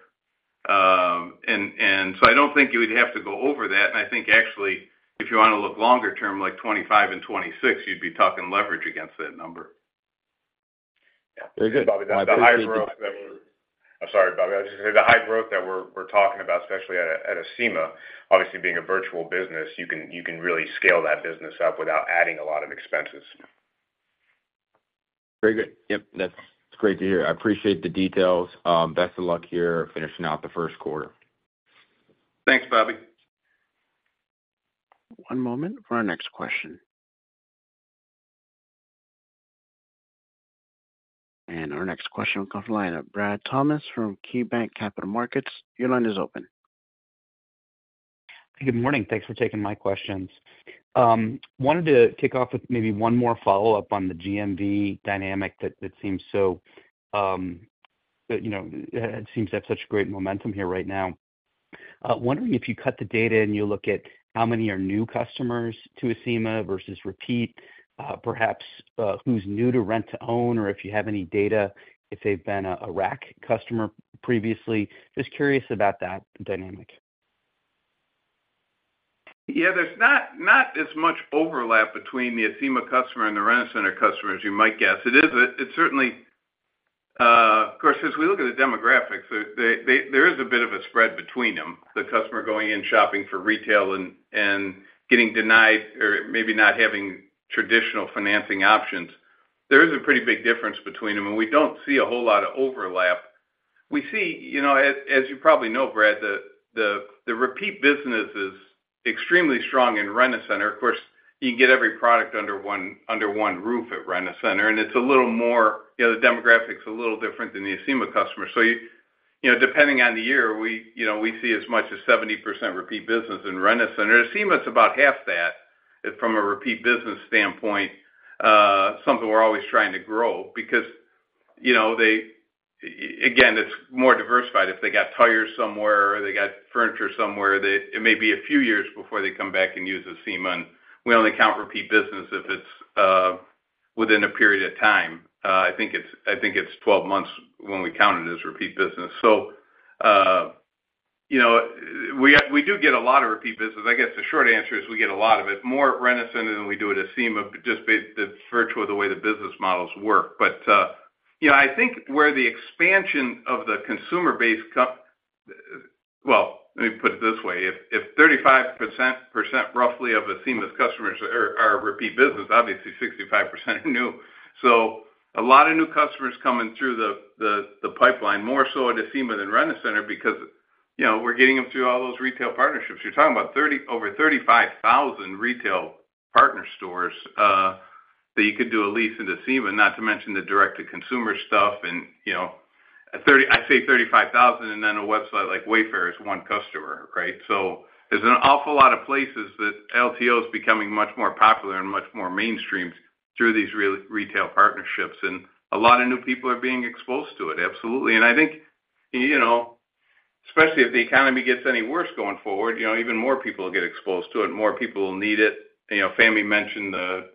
And so I don't think you would have to go over that. And I think, actually, if you want to look longer term, like 2025 and 2026, you'd be talking leverage against that number. Yeah. Very good, Bobby. I'm sorry, Bobby. I was just going to say the high growth that we're talking about, especially at Acima, obviously being a virtual business, you can really scale that business up without adding a lot of expenses. Very good. Yep. That's great to hear. I appreciate the details. Best of luck here finishing out the first quarter. Thanks, Bobby. One moment for our next question. And our next question will come from the line of Brad Thomas from KeyBanc Capital Markets. Your line is open. Good morning. Thanks for taking my questions. Wanted to kick off with maybe one more follow-up on the GMV dynamic that seems so it seems to have such great momentum here right now. Wondering if you cut the data and you look at how many are new customers to Acima versus repeat, perhaps who's new to rent-to-own, or if you have any data, if they've been a RAC customer previously. Just curious about that dynamic. Yeah. There's not as much overlap between the Acima customer and the Rent-A-Center customer as you might guess. It isn't. Of course, as we look at the demographics, there is a bit of a spread between them, the customer going in shopping for retail and getting denied or maybe not having traditional financing options. There is a pretty big difference between them, and we don't see a whole lot of overlap. We see, as you probably know, Brad, the repeat business is extremely strong in Rent-A-Center. Of course, you can get every product under one roof at Rent-A-Center, and it's a little more the demographic's a little different than the Acima customer. So depending on the year, we see as much as 70% repeat business in Rent-A-Center. Acima is about half that from a repeat business standpoint, something we're always trying to grow because, again, it's more diversified. If they got tires somewhere or they got furniture somewhere, it may be a few years before they come back and use Acima. And we only count repeat business if it's within a period of time. I think it's 12 months when we count it as repeat business. So we do get a lot of repeat business. I guess the short answer is we get a lot of it, more at Rent-A-Center than we do at Acima, just the virtual, the way the business models work. But I think where the expansion of the consumer-based well, let me put it this way. If roughly 35% of Acima's customers are repeat business, obviously, 65% are new. So a lot of new customers coming through the pipeline, more so at Acima than Rent-A-Center, because we're getting them through all those retail partnerships. You're talking about over 35,000 retail partner stores that you could do a lease into Acima, not to mention the direct-to-consumer stuff. And I say 35,000, and then a website like Wayfair is one customer, right? So there's an awful lot of places that LTOs becoming much more popular and much more mainstreamed through these retail partnerships. And a lot of new people are being exposed to it, absolutely. And I think, especially if the economy gets any worse going forward, even more people will get exposed to it. More people will need it. Fahmi mentioned the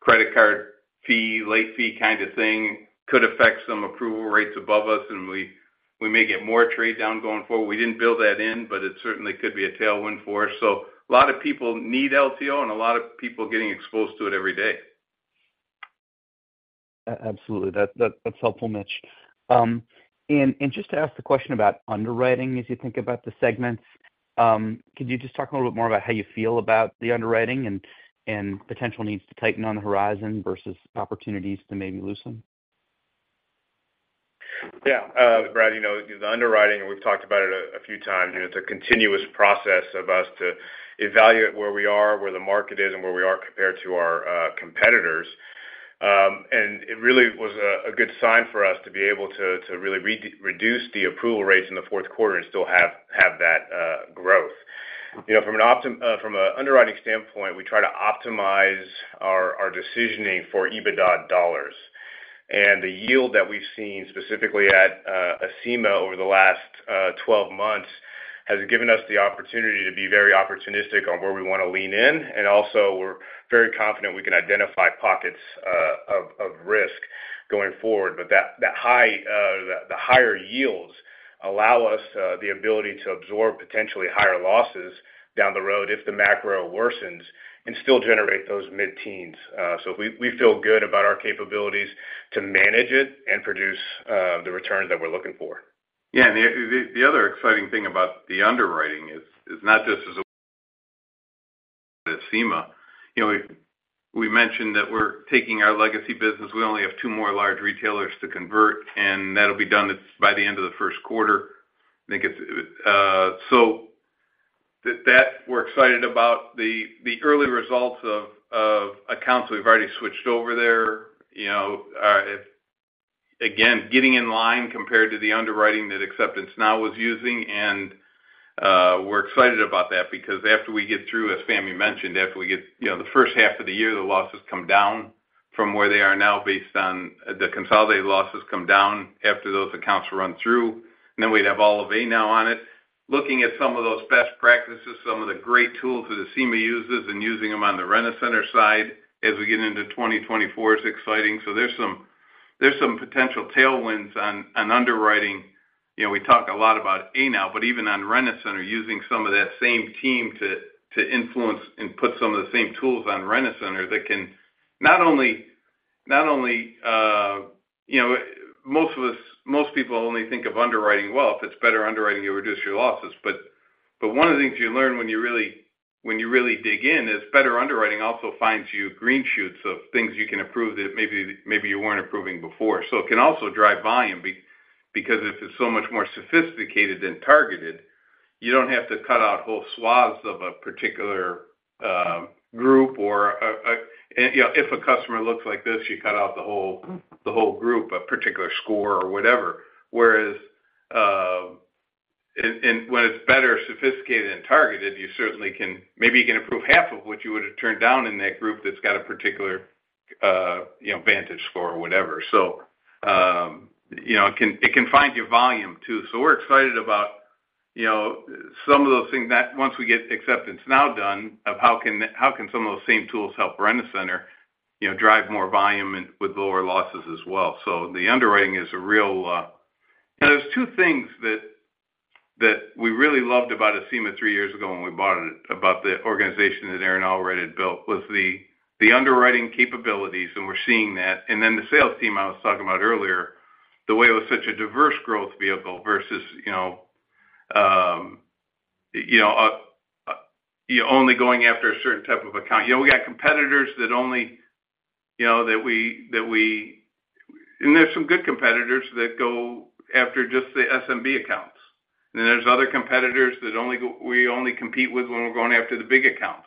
credit card fee, late fee kind of thing could affect some approval rates above us, and we may get more trade down going forward. We didn't build that in, but it certainly could be a tailwind for us. So a lot of people need LTO, and a lot of people getting exposed to it every day. Absolutely. That's helpful, Mitch. Just to ask the question about underwriting as you think about the segments, could you just talk a little bit more about how you feel about the underwriting and potential needs to tighten on the horizon versus opportunities to maybe loosen? Yeah. Brad, the underwriting, we've talked about it a few times. It's a continuous process of us to evaluate where we are, where the market is, and where we are compared to our competitors. It really was a good sign for us to be able to really reduce the approval rates in the fourth quarter and still have that growth. From an underwriting standpoint, we try to optimize our decisioning for EBITDA dollars. And the yield that we've seen specifically at Acima over the last 12 months has given us the opportunity to be very opportunistic on where we want to lean in. And also, we're very confident we can identify pockets of risk going forward. But that higher yields allow us the ability to absorb potentially higher losses down the road if the macro worsens and still generate those mid-teens. So we feel good about our capabilities to manage it and produce the returns that we're looking for. Yeah. And the other exciting thing about the underwriting is not just as Acima. We mentioned that we're taking our legacy business. We only have two more large retailers to convert, and that'll be done by the end of the first quarter. I think it's so we're excited about the early results of accounts. We've already switched over there. Again, getting in line compared to the underwriting that AcceptanceNOW was using. We're excited about that because after we get through, as Fahmi mentioned, after we get the first half of the year, the losses come down from where they are now, based on the consolidated losses come down after those accounts run through. Then we'd have all of ANOW on it, looking at some of those best practices, some of the great tools that Acima uses, and using them on the Rent-A-Center side as we get into 2024 is exciting. So there's some potential tailwinds on underwriting. We talk a lot about ANOW, but even on Rent-A-Center, using some of that same team to influence and put some of the same tools on Rent-A-Center that can not only not only most people only think of underwriting, "Well, if it's better underwriting, you'll reduce your losses." But one of the things you learn when you really dig in is better underwriting also finds you green shoots of things you can approve that maybe you weren't approving before. So it can also drive volume because if it's so much more sophisticated and targeted, you don't have to cut out whole swaths of a particular group. Or if a customer looks like this, you cut out the whole group, a particular score or whatever. When it's better, sophisticated, and targeted, you certainly can maybe you can approve half of what you would have turned down in that group that's got a particular VantageScore or whatever. So it can find you volume too. So we're excited about some of those things. Once we get Acceptance Now done of how can some of those same tools help Rent-A-Center drive more volume with lower losses as well. So the underwriting is a real and there's two things that we really loved about Acima three years ago when we bought it, about the organization that Aaron had already built, was the underwriting capabilities. And then the sales team I was talking about earlier, the way it was such a diverse growth vehicle versus only going after a certain type of account. We got competitors that we, and there's some good competitors that go after just the SMB accounts. Then there's other competitors that we only compete with when we're going after the big accounts.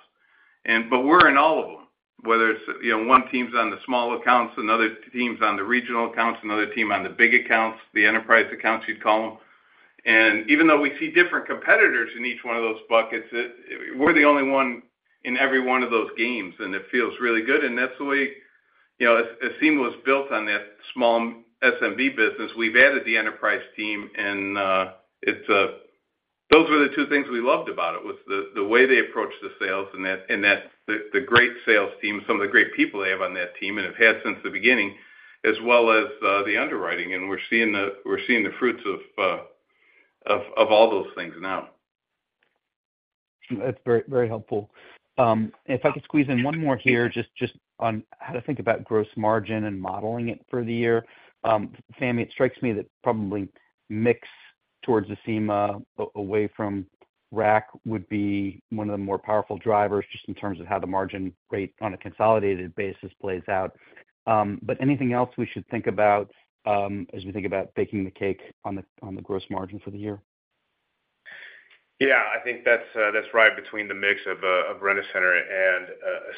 But we're in all of them, whether it's one team's on the small accounts, another team's on the regional accounts, another team on the big accounts, the enterprise accounts, you'd call them. And even though we see different competitors in each one of those buckets, we're the only one in every one of those games, and it feels really good. And that's the way Acima was built on that small SMB business. We've added the enterprise team, and those were the two things we loved about it, was the way they approached the sales and the great sales team, some of the great people they have on that team and have had since the beginning, as well as the underwriting. We're seeing the fruits of all those things now. That's very helpful. If I could squeeze in one more here just on how to think about gross margin and modeling it for the year. Fahmi, it strikes me that probably mix towards Acima, away from RAC, would be one of the more powerful drivers just in terms of how the margin rate on a consolidated basis plays out. But anything else we should think about as we think about baking the cake on the gross margin for the year? Yeah. I think that's right between the mix of Rent-A-Center and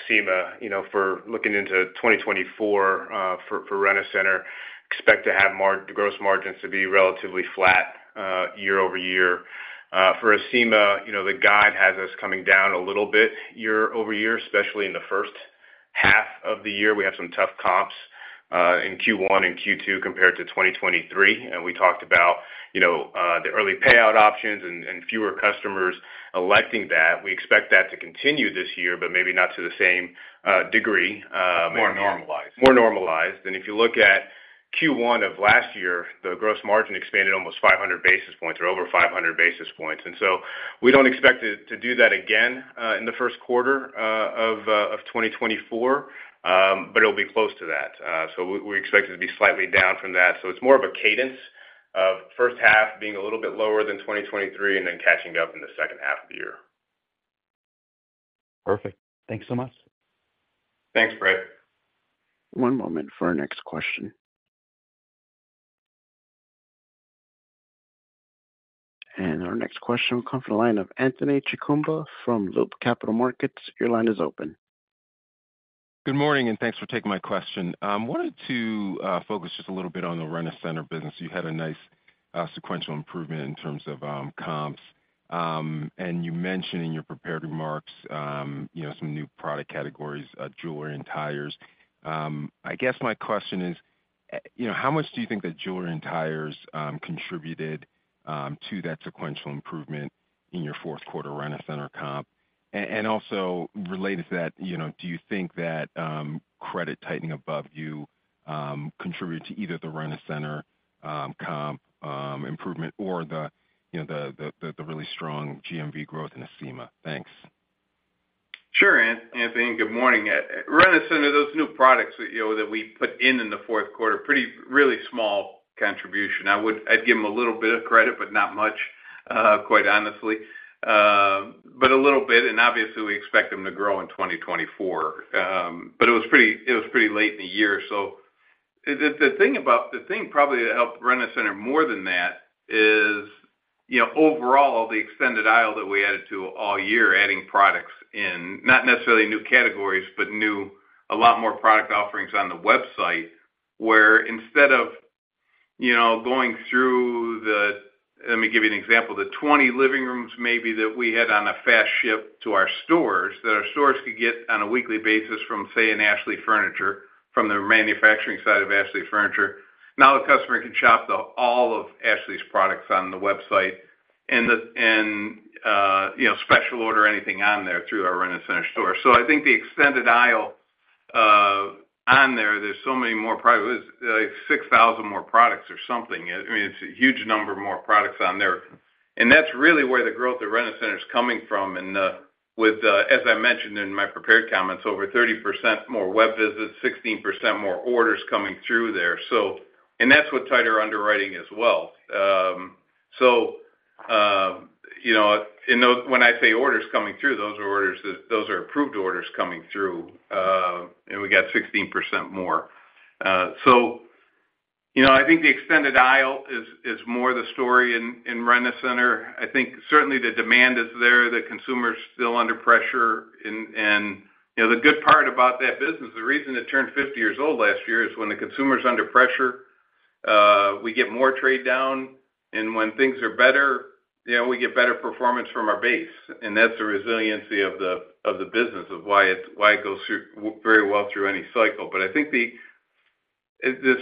Acima. For looking into 2024 for Rent-A-Center, expect to have gross margins to be relatively flat year-over-year. For Acima, the guide has us coming down a little bit year-over-year, especially in the first half of the year. We have some tough comps in Q1 and Q2 compared to 2023. And we talked about the early payout options and fewer customers electing that. We expect that to continue this year, but maybe not to the same degree. More normalized. More normalized. And if you look at Q1 of last year, the gross margin expanded almost 500 basis points or over 500 basis points. And so we don't expect to do that again in the first quarter of 2024, but it'll be close to that. So we expect it to be slightly down from that. So it's more of a cadence of first half being a little bit lower than 2023 and then catching up in the second half of the year. Perfect. Thanks so much. Thanks, Brad. One moment for our next question. And our next question will come from the line of Anthony Chukumba from Loop Capital Markets. Your line is open. Good morning, and thanks for taking my question. I wanted to focus just a little bit on the Rent-A-Center business. You had a nice sequential improvement in terms of comps. And you mentioned in your prepared remarks some new product categories, jewelry and tires. I guess my question is, how much do you think that jewelry and tires contributed to that sequential improvement in your fourth-quarter Rent-A-Center comp? And also related to that, do you think that credit tightening above you contributed to either the Rent-A-Center comp improvement or the really strong GMV growth in Acima? Thanks. Sure, Anthony. Good morning. Rent-A-Center, those new products that we put in in the fourth quarter, pretty really small contribution. I'd give them a little bit of credit, but not much, quite honestly. But a little bit. And obviously, we expect them to grow in 2024. But it was pretty late in the year. So the thing probably to help Rent-A-Center more than that is overall, the extended aisle that we added to all year, adding products in, not necessarily new categories, but a lot more product offerings on the website where instead of going through the let me give you an example. The 20 living rooms maybe that we had on a fast ship to our stores that our stores could get on a weekly basis from, say, an Ashley Furniture, from the manufacturing side of Ashley Furniture. Now, the customer can shop all of Ashley's products on the website and special order anything on there through our Rent-A-Center store. So I think the extended aisle on there, there's so many more probably 6,000 more products or something. I mean, it's a huge number more products on there. And that's really where the growth at Rent-A-Center is coming from. And as I mentioned in my prepared comments, over 30% more web visits, 16% more orders coming through there. And that's with tighter underwriting as well. So when I say orders coming through, those are approved orders coming through. And we got 16% more. So I think the extended aisle is more the story in Rent-A-Center. I think certainly the demand is there. The consumer's still under pressure. And the good part about that business, the reason it turned 50 years old last year is when the consumer's under pressure, we get more trade down. And when things are better, we get better performance from our base. And that's the resiliency of the business, of why it goes very well through any cycle. But I think the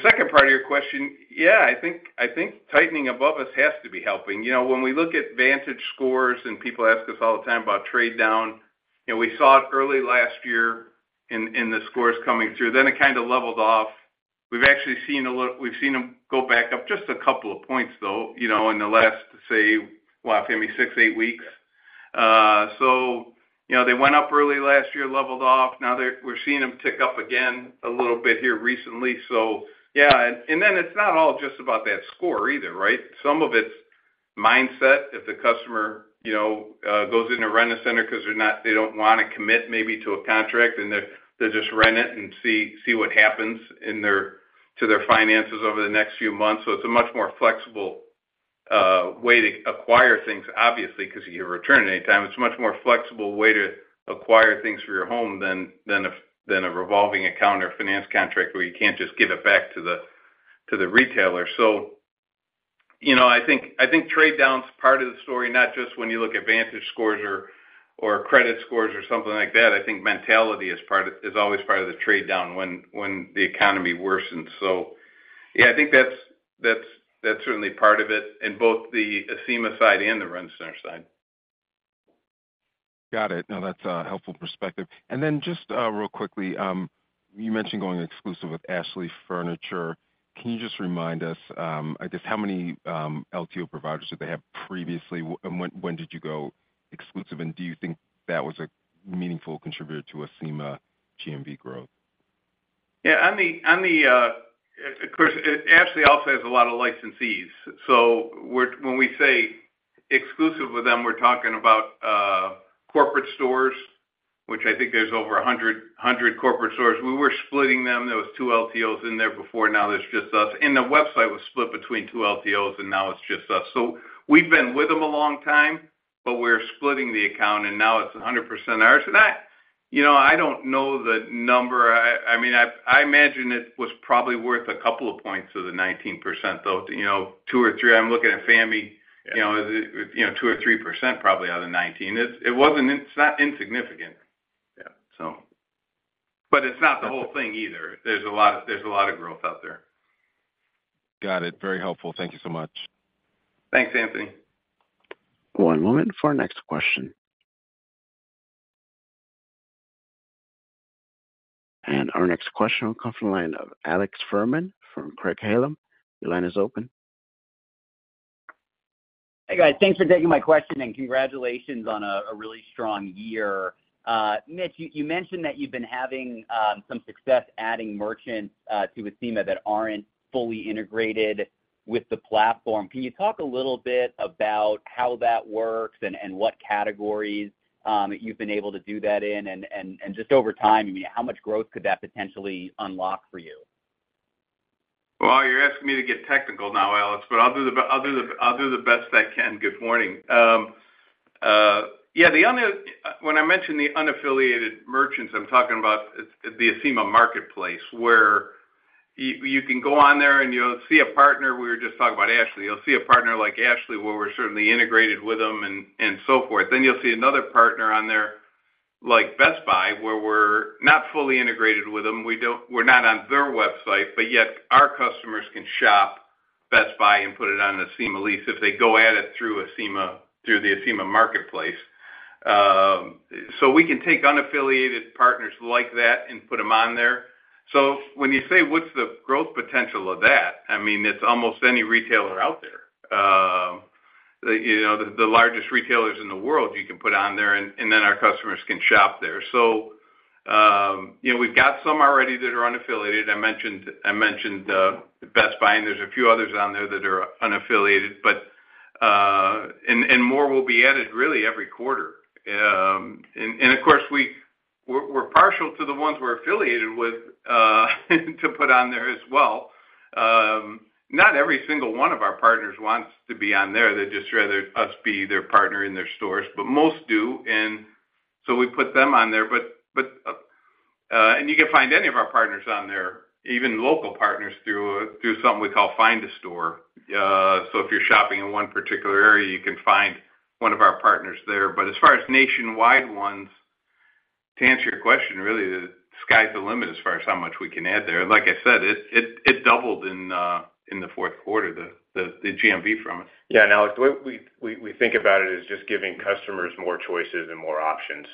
second part of your question, yeah, I think tightening above us has to be helping. When we look at VantageScores and people ask us all the time about trade down, we saw it early last year in the scores coming through. Then it kind of leveled off. We've actually seen a little we've seen them go back up just a couple of points, though, in the last, say, wow, Fahmi, 6-8 weeks. So they went up early last year, leveled off. Now, we're seeing them tick up again a little bit here recently. So yeah. And then it's not all just about that score either, right? Some of it's mindset. If the customer goes into Rent-A-Center because they don't want to commit maybe to a contract, and they'll just rent it and see what happens to their finances over the next few months. So it's a much more flexible way to acquire things, obviously, because you get a return at any time. It's a much more flexible way to acquire things for your home than a revolving account or finance contract where you can't just give it back to the retailer. So I think trade down's part of the story, not just when you look at VantageScore or credit scores or something like that. I think mentality is always part of the trade down when the economy worsens. So yeah, I think that's certainly part of it in both the Acima side and the Rent-A-Center side. Got it. No, that's a helpful perspective. And then just real quickly, you mentioned going exclusive with Ashley Furniture. Can you just remind us, I guess, how many LTO providers did they have previously, and when did you go exclusive? And do you think that was a meaningful contributor to Acima GMV growth? Yeah. Of course, Ashley also has a lot of licensees. So when we say exclusive with them, we're talking about corporate stores, which I think there's over 100 corporate stores. We were splitting them. There was two LTOs in there before. Now, there's just us. And the website was split between 2 LTOs, and now it's just us. So we've been with them a long time, but we're splitting the account, and now it's 100% ours. And I don't know the number. I mean, I imagine it was probably worth a couple of points of the 19%, though, 2 or 3. I'm looking at Fahmi, 2 or 3% probably out of the 19%. It's not insignificant, so. But it's not the whole thing either. There's a lot of growth out there. Got it. Very helpful. Thank you so much. Thanks, Anthony. One moment for our next question. And our next question will come from the line of Alex Fuhrman from Craig-Hallum. Your line is open. Hey, guys. Thanks for taking my question, and congratulations on a really strong year. Mitch, you mentioned that you've been having some success adding merchants to Acima that aren't fully integrated with the platform. Can you talk a little bit about how that works and what categories you've been able to do that in? And just over time, I mean, how much growth could that potentially unlock for you? Well, you're asking me to get technical now, Alex, but I'll do the best I can. Good morning. Yeah. When I mentioned the unaffiliated merchants, I'm talking about the Acima Marketplace where you can go on there and you'll see a partner. We were just talking about Ashley. You'll see a partner like Ashley where we're certainly integrated with them and so forth. Then you'll see another partner on there like Best Buy where we're not fully integrated with them. We're not on their website, but yet our customers can shop Best Buy and put it on an Acima lease if they go at it through the Acima Marketplace. So we can take unaffiliated partners like that and put them on there. So when you say what's the growth potential of that, I mean, it's almost any retailer out there, the largest retailers in the world you can put on there, and then our customers can shop there. So we've got some already that are unaffiliated. I mentioned Best Buy, and there's a few others on there that are unaffiliated. And more will be added, really, every quarter. And of course, we're partial to the ones we're affiliated with to put on there as well. Not every single one of our partners wants to be on there. They'd just rather us be their partner in their stores, but most do. And so we put them on there. And you can find any of our partners on there, even local partners, through something we call Find a Store. So if you're shopping in one particular area, you can find one of our partners there. But as far as nationwide ones, to answer your question, really, the sky's the limit as far as how much we can add there. And like I said, it doubled in the fourth quarter, the GMV from us. Yeah. And Alex, the way we think about it is just giving customers more choices and more options.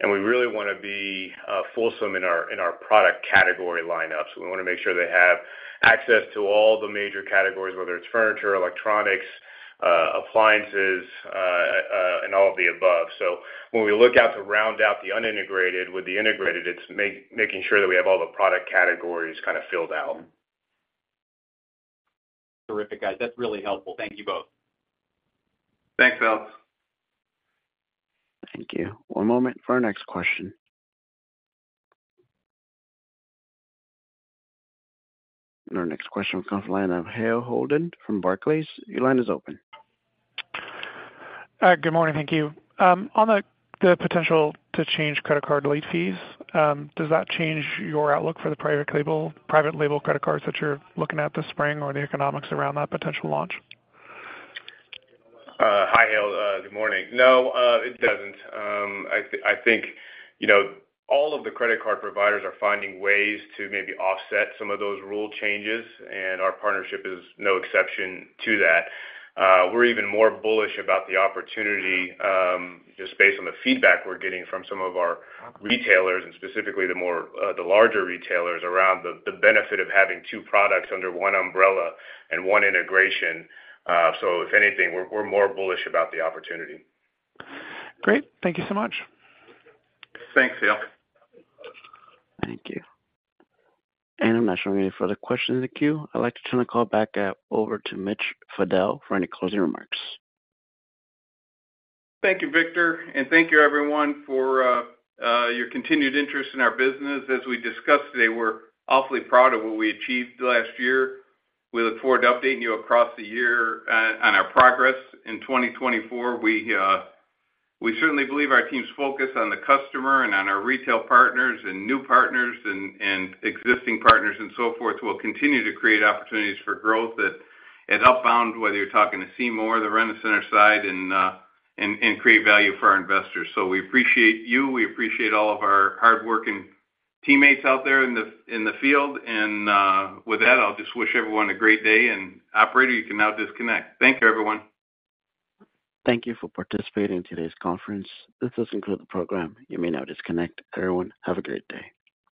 And we really want to be fulsome in our product category lineups. We want to make sure they have access to all the major categories, whether it's furniture, electronics, appliances, and all of the above. So when we look out to round out the unintegrated with the integrated, it's making sure that we have all the product categories kind of filled out. Terrific, guys. That's really helpful. Thank you both. Thanks, Alex. Thank you. One moment for our next question. Our next question will come from the line of Hale Holden from Barclays. Your line is open. Good morning. Thank you. On the potential to change credit card late fees, does that change your outlook for the private label credit cards that you're looking at this spring or the economics around that potential launch? Hi, Hale. Good morning. No. Doesn't. I think all of the credit card providers are finding ways to maybe offset some of those rule changes, and our partnership is no exception to that. We're even more bullish about the opportunity just based on the feedback we're getting from some of our retailers and specifically the larger retailers around the benefit of having two products under one umbrella and one integration. So if anything, we're more bullish about the opportunity. Great. Thank you so much. Thanks, Hale. Thank you. And I'm not sure we have any further questions in the queue. I'd like to turn the call back over to Mitch Fadel for any closing remarks. Thank you, Victor. And thank you, everyone, for your continued interest in our business. As we discussed today, we're awfully proud of what we achieved last year. We look forward to updating you across the year on our progress in 2024. We certainly believe our team's focus on the customer and on our retail partners and new partners and existing partners and so forth will continue to create opportunities for growth at Upbound, whether you're talking to Acima or the Rent-A-Center side, and create value for our investors. So we appreciate you. We appreciate all of our hardworking teammates out there in the field. And with that, I'll just wish everyone a great day. And operator, you can now disconnect. Thank you, everyone. Thank you for participating in today's conference. This doesn't include the program. You may now disconnect. Everyone, have a great day.